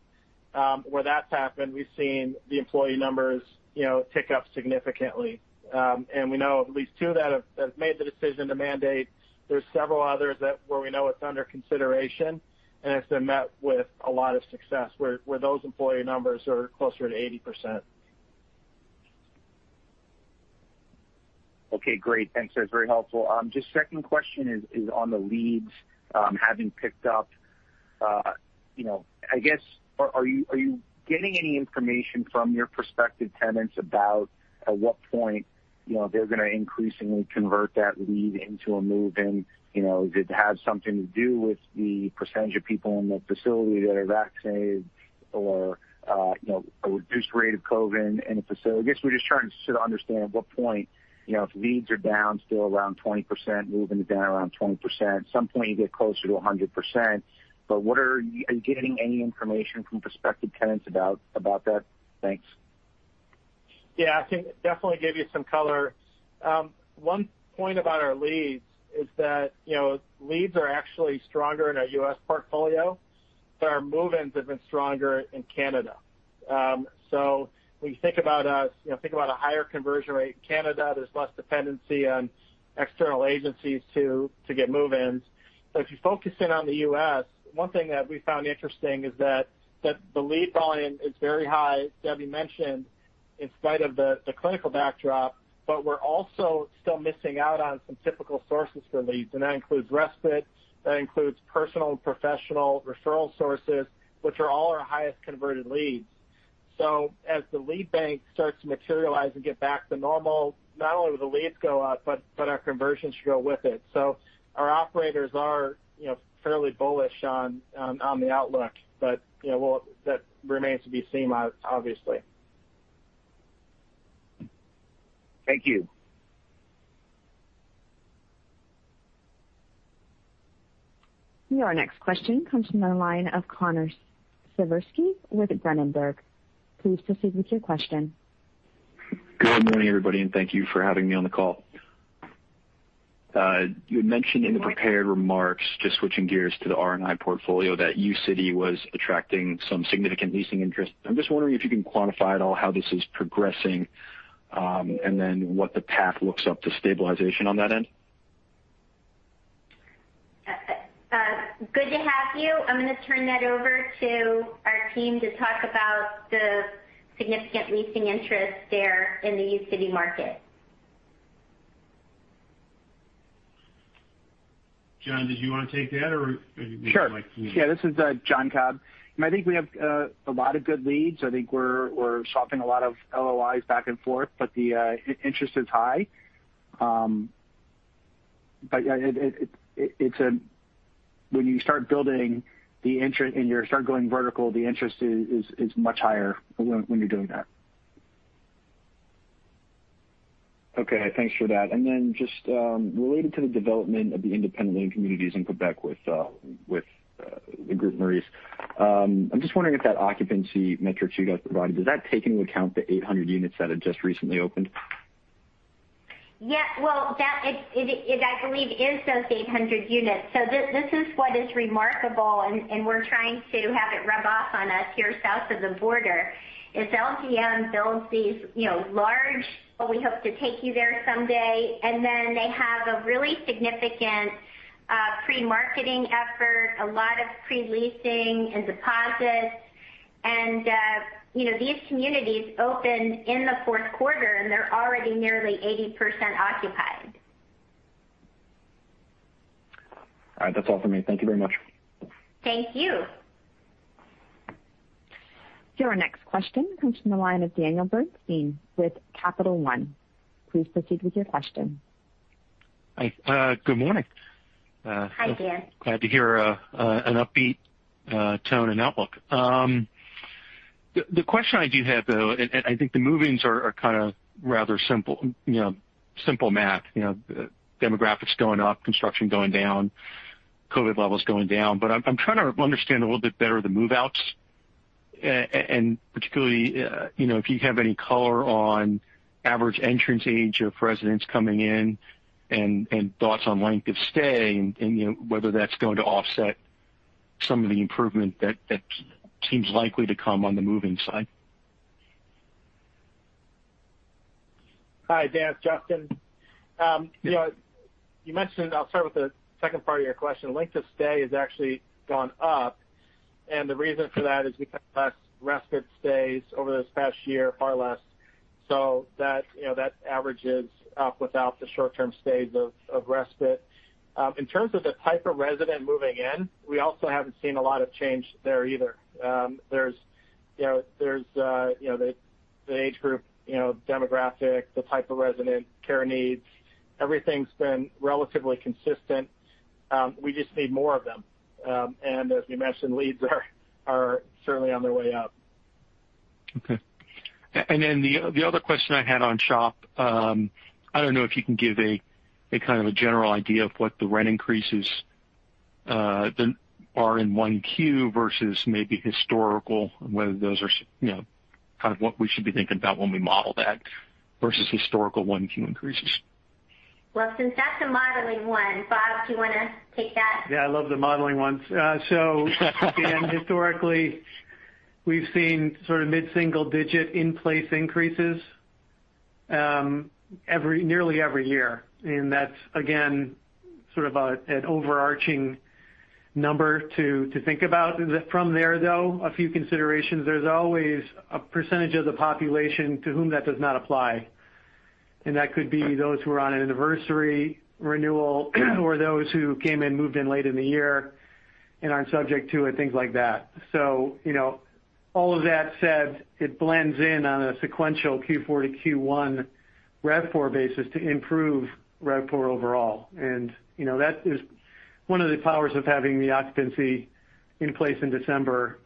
Where that has happened, we have seen the employee numbers tick up significantly. We know of at least two that have made the decision to mandate. There is several others where we know it is under consideration, and it has been met with a lot of success, where those employee numbers are closer to 80%. Okay, great. Thanks. That's very helpful. Just second question is on the leads having picked up. I guess, are you getting any information from your prospective tenants about at what point they're going to increasingly convert that lead into a move-in? Did it have something to do with the % of people in the facility that are vaccinated, or a reduced rate of COVID in a facility? I guess we're just trying to sort of understand at what point, if leads are down still around 20%, move-ins are down around 20%, at some point, you get closer to 100%. Are you getting any information from prospective tenants about that? Thanks. I can definitely give you some color. One point about our leads is that leads are actually stronger in our U.S. portfolio, but our move-ins have been stronger in Canada. When you think about a higher conversion rate in Canada, there's less dependency on external agencies to get move-ins. If you focus in on the U.S., one thing that we found interesting is that the lead volume is very high, Debbie mentioned, in spite of the clinical backdrop, but we're also still missing out on some typical sources for leads. That includes respite, that includes personal and professional referral sources, which are all our highest converted leads. As the lead bank starts to materialize and get back to normal, not only will the leads go up, but our conversions should go with it. Our operators are fairly bullish on the outlook. That remains to be seen, obviously. Thank you. Your next question comes from the line of Connor Siversky with Berenberg. Please proceed with your question. Good morning, everybody, and thank you for having me on the call. You had mentioned in the prepared remarks, just switching gears to the R&I portfolio, that uCity Square was attracting some significant leasing interest. I'm just wondering if you can quantify at all how this is progressing, and then what the path looks up to stabilization on that end? Good to have you. I'm going to turn that over to our team to talk about the significant leasing interest there in the uCity Square market. John, did you want to take that? Or would you like? Sure. Yeah, this is John Cobb. I think we have a lot of good leads. I think we're swapping a lot of LOIs back and forth, but the interest is high. When you start building and you start going vertical, the interest is much higher when you're doing that. Okay. Thanks for that. Just related to the development of the independent living communities in Quebec with Le Groupe Maurice. I'm just wondering if that occupancy metric you guys provided, does that take into account the 800 units that have just recently opened? Well, that I believe is those 800 units. This is what is remarkable, and we're trying to have it rub off on us here south of the border, is LGM builds these large, "Well, we hope to take you there someday." They have a really significant pre-marketing effort, a lot of pre-leasing and deposits. These communities open in the fourth quarter, and they're already nearly 80% occupied. All right. That's all for me. Thank you very much. Thank you. Your next question comes from the line of Daniel Bernstein with Capital One. Please proceed with your question. Hi. Good morning. Hi, Dan. Glad to hear an upbeat tone and outlook. The question I do have, though, I think the move-ins are kind of rather simple math. Demographics going up, construction going down, COVID levels going down. I'm trying to understand a little bit better the move-outs, particularly, if you have any color on average entrance age of residents coming in and thoughts on length of stay, whether that's going to offset some of the improvement that seems likely to come on the move-in side. Hi, Dan. It's Justin. I'll start with the second part of your question. Length of stay has actually gone up, and the reason for that is we've had less respite stays over this past year, far less, so that average is up without the short-term stays of respite. In terms of the type of resident moving in, we also haven't seen a lot of change there either. The age group demographic, the type of resident care needs, everything's been relatively consistent. We just need more of them. As we mentioned, leads are certainly on their way up. Okay. The other question I had on SHOP, I don't know if you can give a kind of a general idea of what the rent increases are in 1Q versus maybe historical, and whether those are kind of what we should be thinking about when we model that versus historical 1Q increases. Well, since that's a modeling one, Bob, do you want to take that? Yeah, I love the modeling ones. Again, historically, we've seen sort of mid-single digit in-place increases nearly every year. That's, again, sort of an overarching number to think about. From there, though, a few considerations. There's always a percentage of the population to whom that does not apply, and that could be those who are on an anniversary renewal or those who came in, moved in late in the year and aren't subject to it, things like that. All of that said, it blends in on a sequential Q4 to Q1 RevPOR basis to improve RevPOR overall. That is one of the powers of having the occupancy in place in December,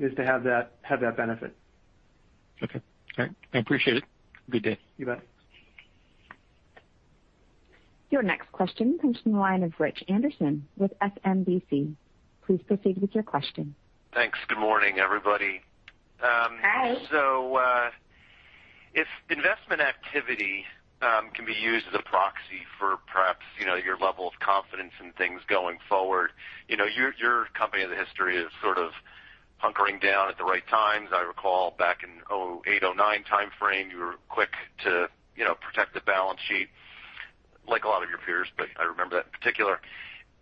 is to have that benefit. Okay. All right. I appreciate it. Have a good day. You bet. Your next question comes from the line of Rich Anderson with SMBC. Please proceed with your question. Thanks. Good morning, everybody. Hi. If investment activity can be used as a proxy for perhaps your level of confidence in things going forward, your company history is sort of hunkering down at the right times. I recall back in 2008, 2009 timeframe, you were quick to protect the balance sheet, like a lot of your peers, but I remember that in particular.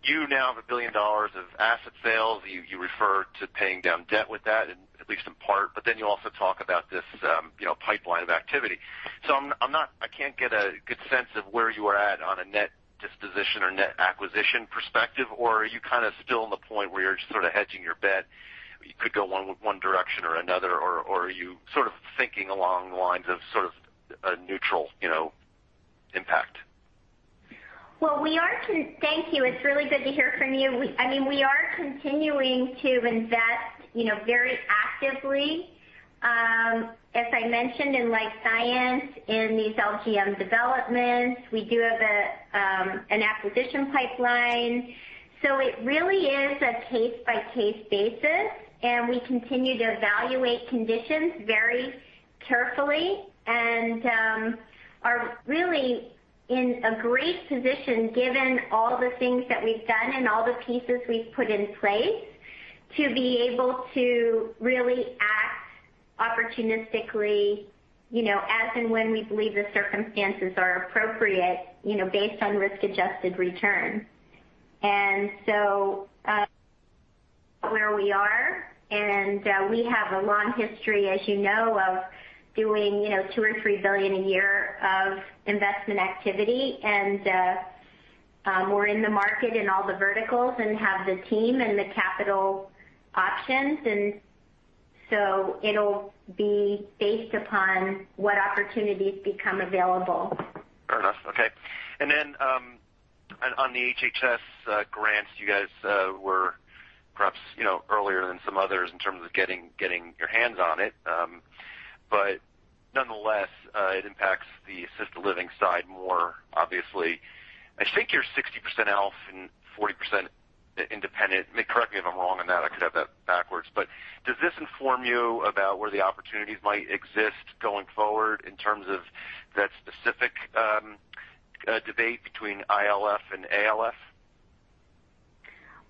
You now have $1 billion of asset sales. You refer to paying down debt with that, at least in part, but then you also talk about this pipeline of activity. I can't get a good sense of where you are at on a net disposition or net acquisition perspective. Are you kind of still in the point where you're just sort of hedging your bet? You could go one direction or another, or are you sort of thinking along the lines of sort of a neutral impact? Thank you. It's really good to hear from you. We are continuing to invest very actively. As I mentioned in life science, in these LGM developments, we do have an acquisition pipeline, so it really is a case-by-case basis, and we continue to evaluate conditions very carefully and are really in a great position given all the things that we've done and all the pieces we've put in place to be able to really act opportunistically, as and when we believe the circumstances are appropriate, based on risk-adjusted return. Where we are, and we have a long history, as you know, of doing $2 billion or $3 billion a year of investment activity. We're in the market in all the verticals and have the team and the capital options, so it'll be based upon what opportunities become available. Fair enough. Okay. On the HHS grants, you guys were perhaps earlier than some others in terms of getting your hands on it. Nonetheless, it impacts the assisted living side more, obviously. I think you're 60% ALF and 40% independent. Correct me if I'm wrong on that. I could have that backwards. Does this inform you about where the opportunities might exist going forward in terms of that specific debate between ILF and ALF?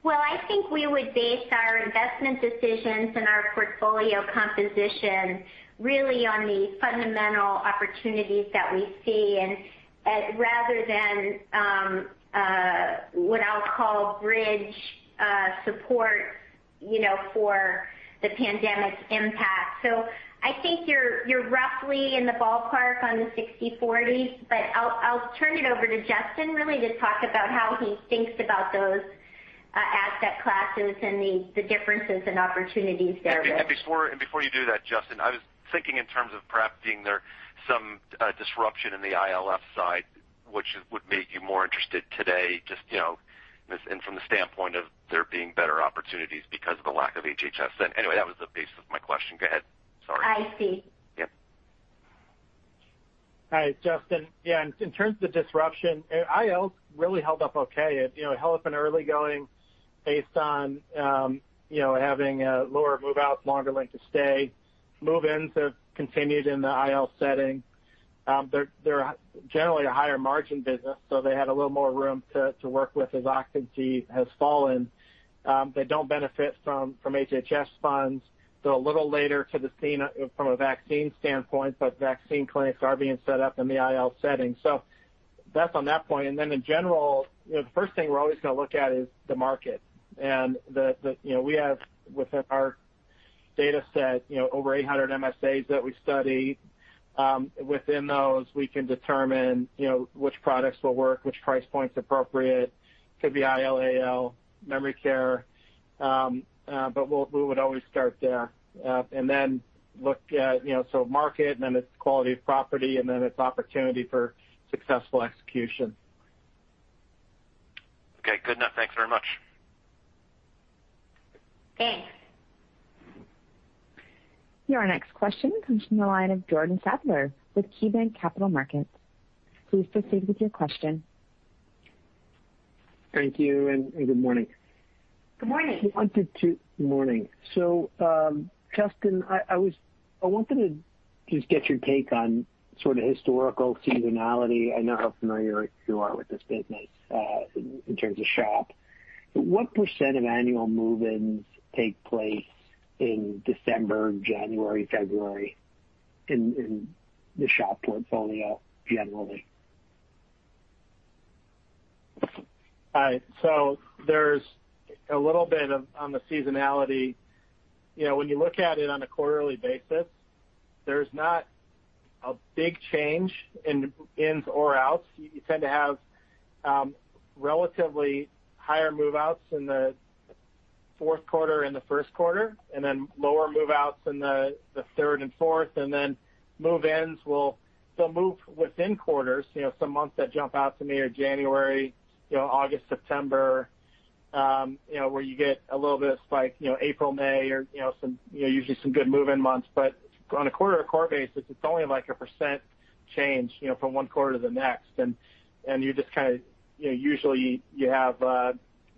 Well, I think we would base our investment decisions and our portfolio composition really on the fundamental opportunities that we see, and rather than what I'll call bridge support for the pandemic's impact. I think you're roughly in the ballpark on the 60/40, but I'll turn it over to Justin really to talk about how he thinks about those asset classes and the differences in opportunities there. Before you do that, Justin, I was thinking in terms of perhaps being there some disruption in the ILF side, which would make you more interested today, just from the standpoint of there being better opportunities because of the lack of HHS. Anyway, that was the basis of my question. Go ahead. Sorry. I see. Yep. Hi, Justin. In terms of disruption, IL's really held up okay. It held up in early going based on having lower move-outs, longer length of stay. Move-ins have continued in the IL setting. They're generally a higher margin business, so they had a little more room to work with as occupancy has fallen. They don't benefit from HHS funds, a little later to the scene from a vaccine standpoint, vaccine clinics are being set up in the IL setting. That's on that point. In general, the first thing we're always going to look at is the market. We have within our data set over 800 MSAs that we study. Within those, we can determine which products will work, which price point's appropriate. Could be IL, AL, memory care. We would always start there, and then look at sort of market, and then it's quality of property, and then it's opportunity for successful execution. Good enough. Thanks very much. Thanks. Your next question comes from the line of Jordan Sadler with KeyBanc Capital Markets. Please proceed with your question. Thank you, and good morning. Good morning. Good morning. Justin, I wanted to just get your take on sort of historical seasonality. I know how familiar you are with this business, in terms of SHOP. What percentage of annual move-ins take place in December, January, February in the SHOP portfolio generally? There's a little bit on the seasonality. When you look at it on a quarterly basis, there's not a big change in ins or outs. You tend to have relatively higher move-outs in the fourth quarter and the first quarter, then lower move-outs in the third and fourth. Then move-ins will move within quarters. Some months that jump out to me are January, August, September, where you get a little bit of spike. April, May are usually some good move-in months. On a quarter-to-quarter basis, it's only like a % change from one quarter to the next. You just kind of usually have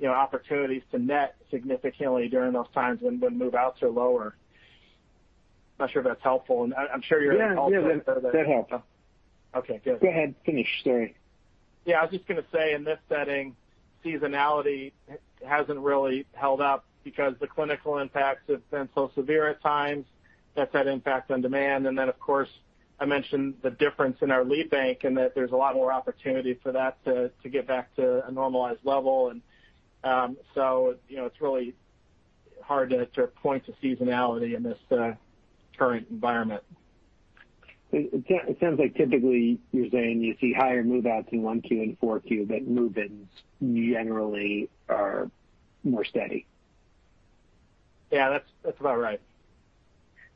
opportunities to net significantly during those times when move-outs are lower. Not sure if that's helpful. Yeah. That helps. Okay, good. Go ahead, finish the story. Yeah, I was just going to say, in this setting, seasonality hasn't really held up because the clinical impacts have been so severe at times. That's had impact on demand. Then, of course, I mentioned the difference in our lead bank and that there's a lot more opportunity for that to get back to a normalized level. It's really hard to point to seasonality in this current environment. It sounds like typically you're saying you see higher move-outs in Q1 and Q4, but move-ins generally are more steady. Yeah, that's about right.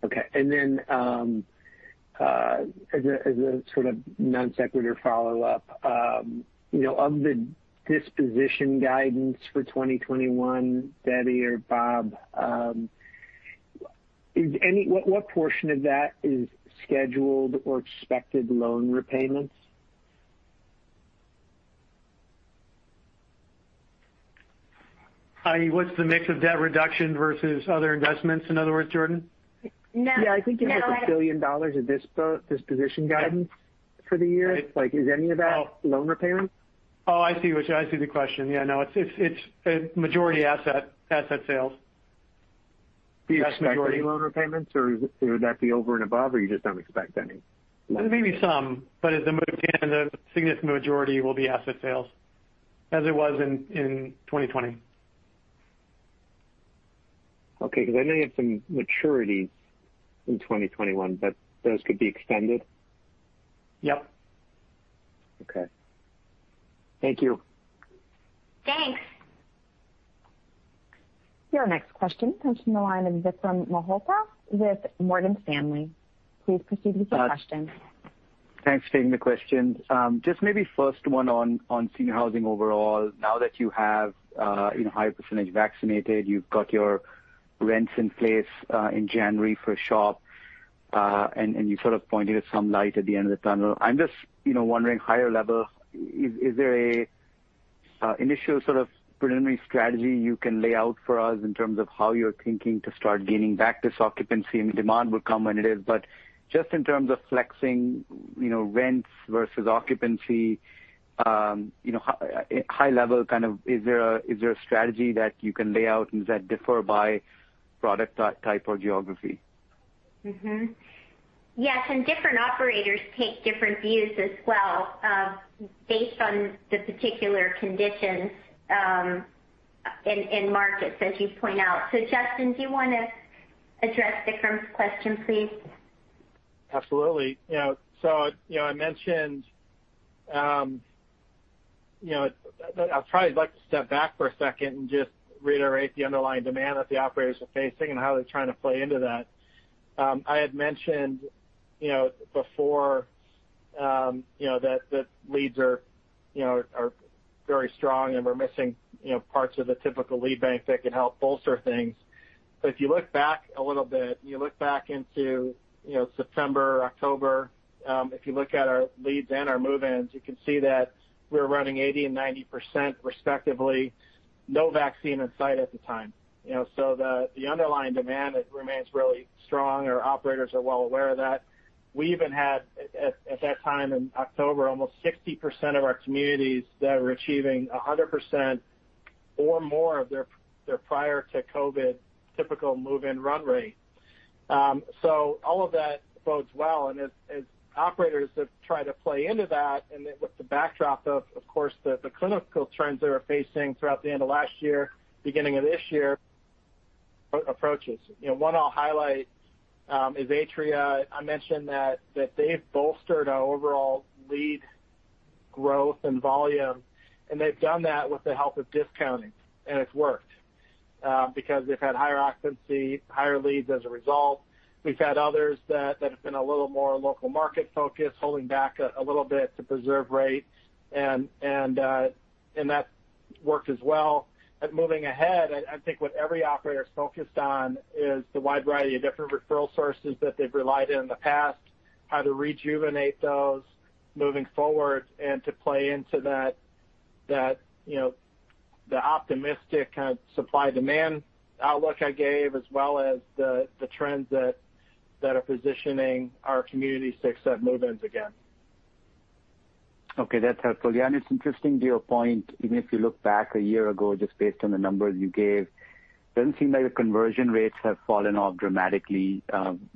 Okay. As a sort of non-sequitur follow-up. Of the disposition guidance for 2021, Debbie or Bob, what portion of that is scheduled or expected loan repayments? What's the mix of debt reduction versus other investments, in other words, Jordan? No. Yeah, I think you have $1 billion of disposition guidance for the year. Right. Is any of that loan repayments? Oh, I see. I see the question. Yeah, no, it's majority asset sales. Do you expect any loan repayments, or would that be over and above, or you just don't expect any? Maybe some, but as a move again, the significant majority will be asset sales, as it was in 2020. Okay, I know you have some maturities in 2021, but those could be extended? Yep. Okay. Thank you. Thanks. Your next question comes from the line of Vikram Malhotra with Morgan Stanley. Please proceed with your question. Thanks for taking the question. Just maybe first one on senior housing overall. Now that you have higher percentage vaccinated, you've got your rents in place in January for SHOP, and you sort of pointed at some light at the end of the tunnel. I'm just wondering higher level, is there an initial sort of preliminary strategy you can lay out for us in terms of how you're thinking to start gaining back this occupancy? Demand will come when it is, but just in terms of flexing rents versus occupancy, high level kind of, is there a strategy that you can lay out, and does that differ by product type or geography? Mm-hmm. Yes, different operators take different views as well based on the particular conditions in markets as you point out. Justin, do you want to address Vikram's question, please? Absolutely. I'll probably like to step back for a second and just reiterate the underlying demand that the operators are facing and how they're trying to play into that. I had mentioned before that leads are very strong and we're missing parts of the typical lead bank that could help bolster things. If you look back a little bit, you look back into September, October. If you look at our leads and our move-ins, you can see that we're running 80% and 90%, respectively. No vaccine in sight at the time. The underlying demand remains really strong. Our operators are well aware of that. We even had, at that time in October, almost 60% of our communities that were achieving 100% or more of their prior to COVID typical move-in run rate. All of that bodes well. As operators have tried to play into that and with the backdrop of course, the clinical trends they were facing throughout the end of last year, beginning of this year approaches. One I'll highlight is Atria. I mentioned that they've bolstered our overall lead growth and volume, and they've done that with the help of discounting, and it's worked because they've had higher occupancy, higher leads as a result. We've had others that have been a little more local market-focused, holding back a little bit to preserve rate, and that worked as well. Moving ahead, I think what every operator is focused on is the wide variety of different referral sources that they've relied on in the past, how to rejuvenate those moving forward, and to play into the optimistic kind of supply-demand outlook I gave, as well as the trends that are positioning our communities to accept move-ins again. Okay, that's helpful. That's interesting to your point, even if you look back a year ago, just based on the numbers you gave, it doesn't seem like the conversion rates have fallen off dramatically,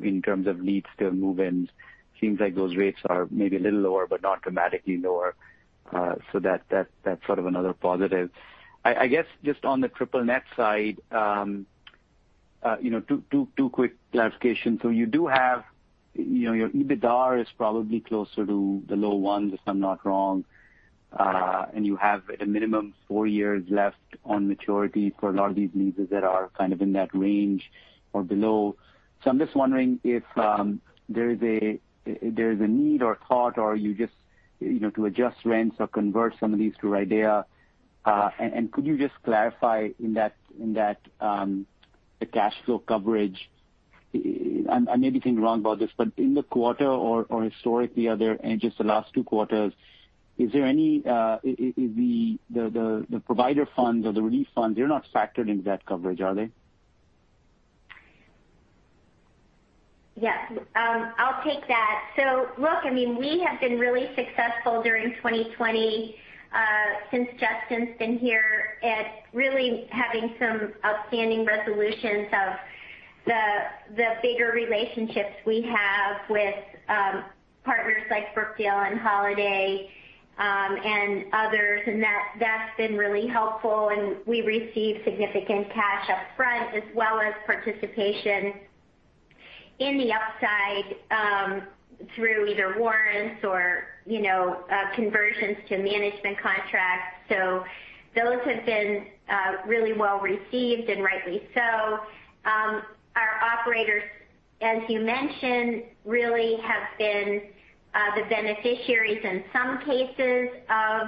in terms of leads to move-ins. It seems like those rates are maybe a little lower, but not dramatically lower. That's sort of another positive. I guess, just on the triple net side, two quick clarifications. You do have your EBITDAR is probably closer to the low ones, if I'm not wrong. Correct. You have at a minimum four years left on maturity for a lot of these leases that are kind of in that range or below. I'm just wondering if there is a need or thought or to adjust rents or convert some of these to RIDEA. Yes. Could you just clarify in that the cash flow coverage, I maybe thinking wrong about this, but in the quarter or historically, are there, and just the last two quarters, the provider funds or the relief funds, they're not factored into that coverage, are they? Yes. I'll take that. Look, we have been really successful during 2020, since Justin's been here, at really having some outstanding resolutions of the bigger relationships we have with partners like Brookdale and Holiday, and others. That's been really helpful, and we received significant cash upfront as well as participation in the upside, through either warrants or conversions to management contracts. Those have been really well-received and rightly so. Our operators, as you mentioned, really have been the beneficiaries in some cases of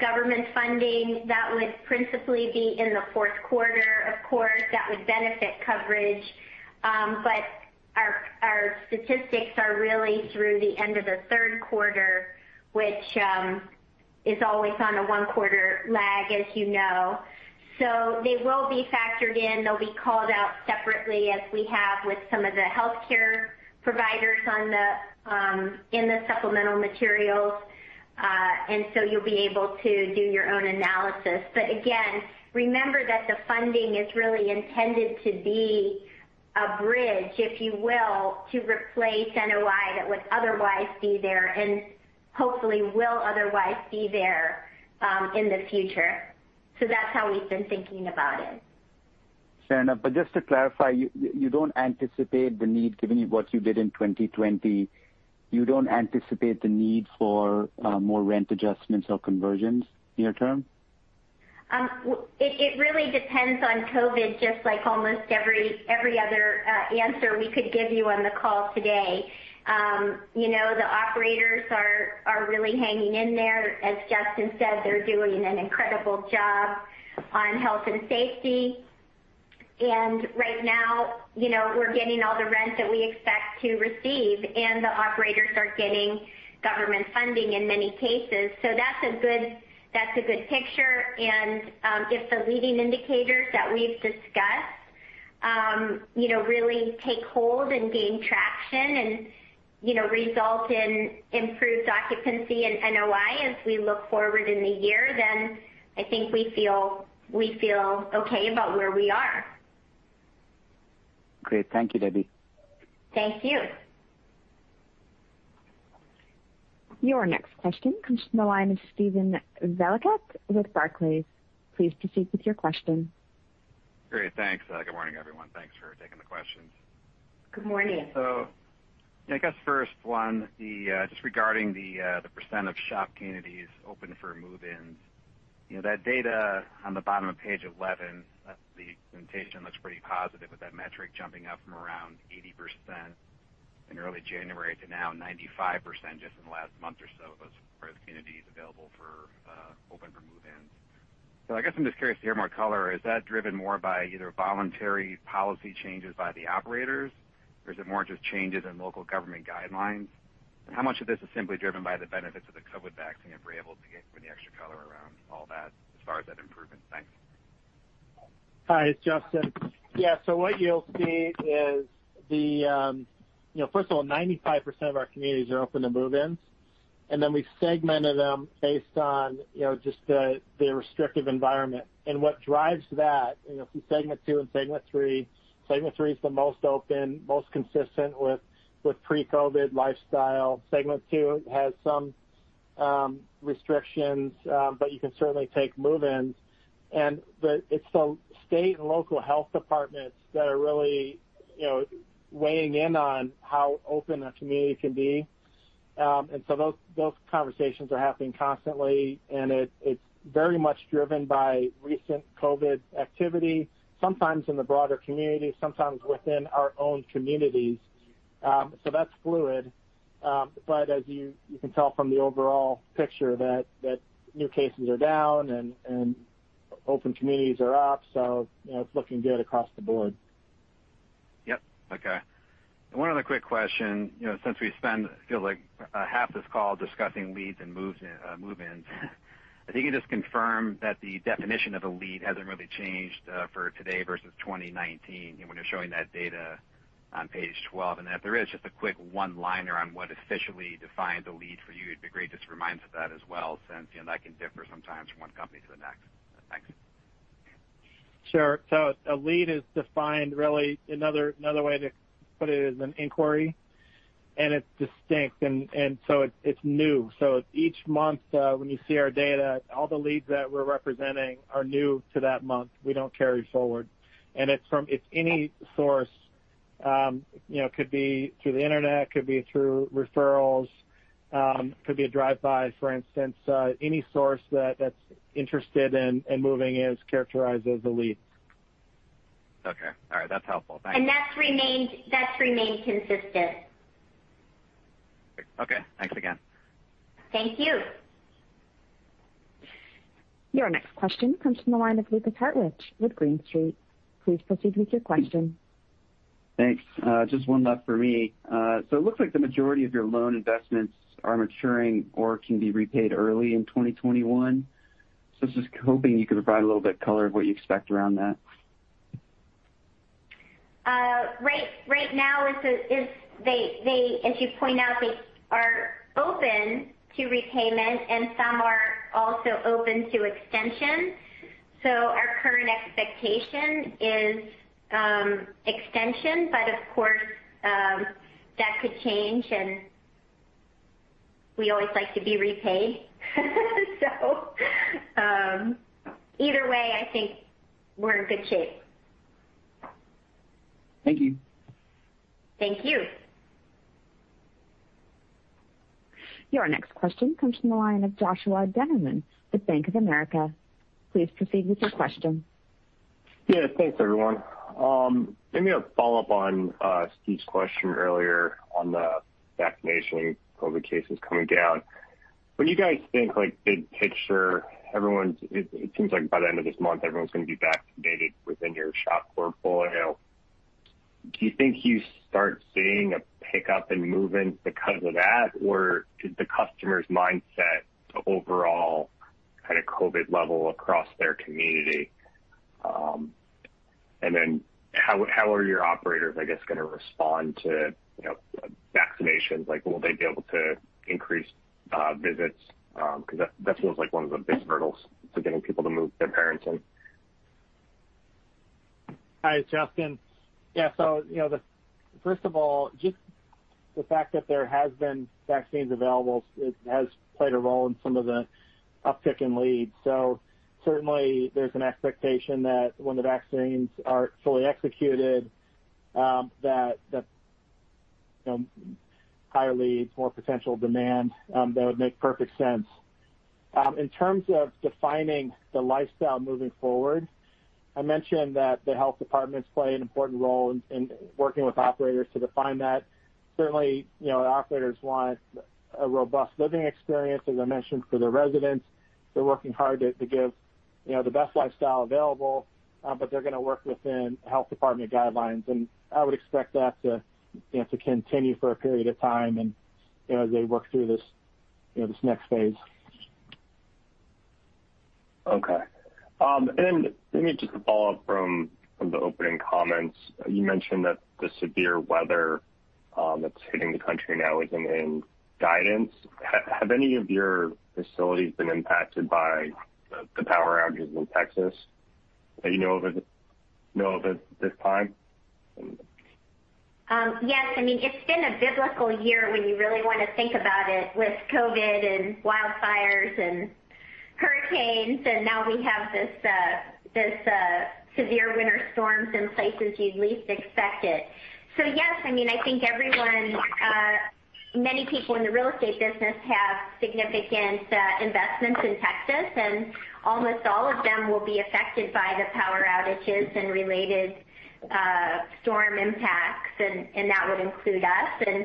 government funding that would principally be in the fourth quarter, of course, that would benefit coverage. Our statistics are really through the end of the third quarter, which is always on a one-quarter lag, as you know. They will be factored in. They'll be called out separately as we have with some of the healthcare providers in the supplemental materials. You'll be able to do your own analysis. Again, remember that the funding is really intended to be a bridge, if you will, to replace NOI that would otherwise be there, and hopefully will otherwise be there in the future. That's how we've been thinking about it. Just to clarify, you don't anticipate the need, given what you did in 2020, you don't anticipate the need for more rent adjustments or conversions near term? It really depends on COVID, just like almost every other answer we could give you on the call today. The operators are really hanging in there. As Justin said, they're doing an incredible job on health and safety. Right now, we're getting all the rent that we expect to receive, and the operators are getting government funding in many cases. That's a good picture. If the leading indicators that we've discussed really take hold and gain traction and result in improved occupancy and NOI as we look forward in the year, I think we feel okay about where we are. Great. Thank you, Debbie. Thank you. Your next question comes from the line of Steven Valiquette with Barclays. Please proceed with your question. Great. Thanks. Good morning, everyone. Thanks for taking the questions. Good morning. I guess first one, just regarding the percentage of SHOP communities open for move-ins. That data on the bottom of page 11, the presentation looks pretty positive with that metric jumping up from around 80% in early January to now 95% just in the last month or so of those communities available for open for move-ins. I guess I'm just curious to hear more color. Is that driven more by either voluntary policy changes by the operators, or is it more just changes in local government guidelines? How much of this is simply driven by the benefits of the COVID vaccine, if we're able to get any extra color around all that as far as that improvement? Thanks. Hi, it's Justin. Yeah, what you'll see is first of all, 95% of our communities are open to move-ins. We segmented them based on just the restrictive environment. What drives that, from segment 2 and segment 3, segment 3 is the most open, most consistent with pre-COVID lifestyle. Segment 2 has some restrictions, you can certainly take move-ins. It's the state and local health departments that are really weighing in on how open a community can be. So those conversations are happening constantly, and it's very much driven by recent COVID activity, sometimes in the broader community, sometimes within our own communities. That's fluid. As you can tell from the overall picture, that new cases are down and open communities are up, so it's looking good across the board. Yep. Okay. One other quick question. Since we spent, I feel like, half this call discussing leads and move-ins, I think you just confirmed that the definition of a lead hasn't really changed for today versus 2019 when you're showing that data on page 12, and that there is just a quick one-liner on what officially defines a lead for you. It'd be great, just a reminder of that as well, since that can differ sometimes from one company to the next. Thanks. Sure. A lead is defined really, another way to put it is an inquiry, and it's distinct, and so it's new. Each month when you see our data, all the leads that we're representing are new to that month. We don't carry forward. It's from any source, could be through the internet, could be through referrals, could be a drive-by, for instance. Any source that's interested in moving is characterized as a lead. Okay. All right. That's helpful. Thanks. That's remained consistent. Okay. Thanks again. Thank you. Your next question comes from the line of Lukas Hartwich with Green Street. Please proceed with your question. Thanks. Just one left for me. It looks like the majority of your loan investments are maturing or can be repaid early in 2021. I was just hoping you could provide a little bit of color of what you expect around that. Right now, as you point out, they are open to repayment, and some are also open to extension. Our current expectation is extension, but of course, that could change, and we always like to be repaid. Either way, I think we're in good shape. Thank you. Thank you. Your next question comes from the line of Joshua Dennerlein with Bank of America. Please proceed with your question. Yeah. Thanks, everyone. Maybe a follow-up on Steven's question earlier on the vaccination, COVID cases coming down. When you guys think big picture, it seems like by the end of this month, everyone's going to be vaccinated within your SHOP portfolio. Do you think you start seeing a pickup in move-ins because of that? Is the customer's mindset overall kind of COVID level across their community? How are your operators, I guess, going to respond to vaccinations? Will they be able to increase visits? That seems like one of the biggest hurdles to getting people to move their parents in. Hi, it's Justin. Yeah. First of all, just the fact that there has been vaccines available has played a role in some of the uptick in leads. Certainly, there's an expectation that when the vaccines are fully executed, that higher leads, more potential demand, that would make perfect sense. In terms of defining the lifestyle moving forward, I mentioned that the health departments play an important role in working with operators to define that. Certainly, operators want a robust living experience, as I mentioned, for their residents. They're working hard to give the best lifestyle available, but they're going to work within health department guidelines. I would expect that to continue for a period of time as they work through this next phase. Okay. Let me just follow up from the opening comments. You mentioned that the severe weather that's hitting the country now isn't in guidance. Have any of your facilities been impacted by the power outages in Texas that you know of at this time? Yes. It's been a biblical year when you really want to think about it with COVID and wildfires and hurricanes, and now we have these severe winter storms in places you'd least expect it. Yes, I think everyone, many people in the real estate business have significant investments in Texas, and almost all of them will be affected by the power outages and related storm impacts, and that would include us.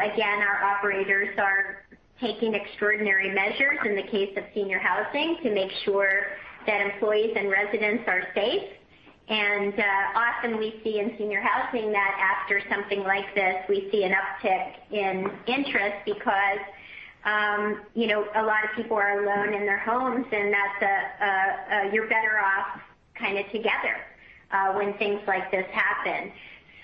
Again, our operators are taking extraordinary measures in the case of senior housing to make sure that employees and residents are safe. Often we see in senior housing that after something like this, we see an uptick in interest because a lot of people are alone in their homes, and you're better off kind of together when things like this happen.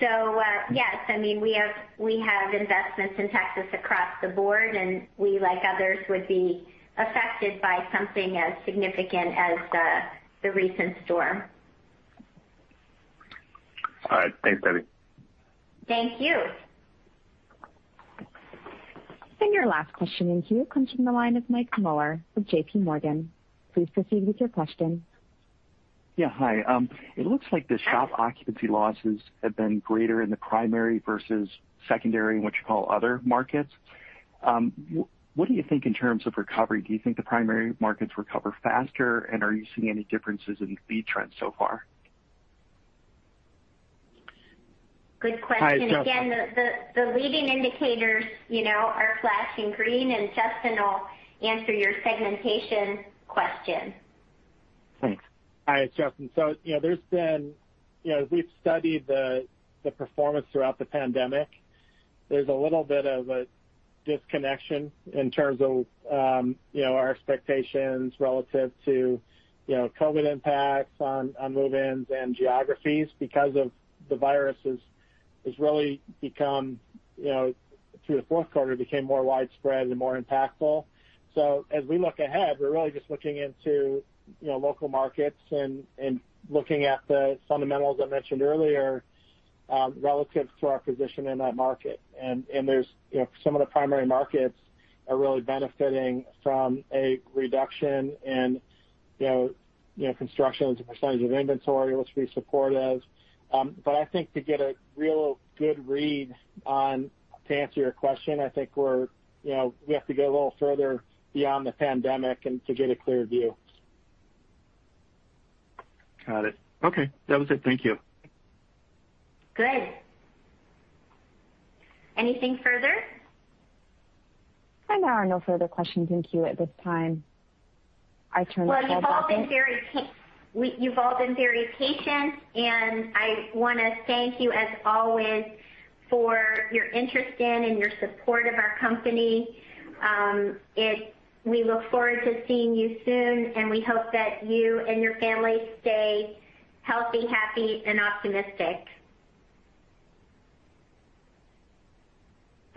Yes, we have investments in Texas across the board, and we, like others, would be affected by something as significant as the recent storm. All right. Thanks, Debbie. Thank you. Your last question in queue comes from the line of Michael Mueller with JPMorgan. Please proceed with your question. Yeah, hi. It looks like the SHOP occupancy losses have been greater in the primary versus secondary, and what you call other markets. What do you think in terms of recovery? Do you think the primary markets recover faster? Are you seeing any differences in the lead trends so far? Good question. Hi, it's Justin. The leading indicators are flashing green, and Justin will answer your segmentation question. Thanks. Hi, it's Justin. As we've studied the performance throughout the pandemic, there's a little bit of a disconnection in terms of our expectations relative to COVID impacts on move-ins and geographies because of the virus has really, through the fourth quarter, became more widespread and more impactful. As we look ahead, we're really just looking into local markets and looking at the fundamentals I mentioned earlier relative to our position in that market. Some of the primary markets are really benefiting from a reduction in construction as a percentage of inventory, which we support of. I think to get a real good read on, to answer your question, I think we have to go a little further beyond the pandemic and to get a clear view. Got it. Okay. That was it. Thank you. Great. Anything further? There are no further questions in queue at this time. I turn the call back. Well, you've all been very patient, and I want to thank you as always for your interest in and your support of our company. We look forward to seeing you soon, and we hope that you and your family stay healthy, happy, and optimistic.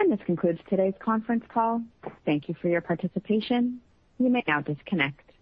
This concludes today's conference call. Thank you for your participation. You may now disconnect.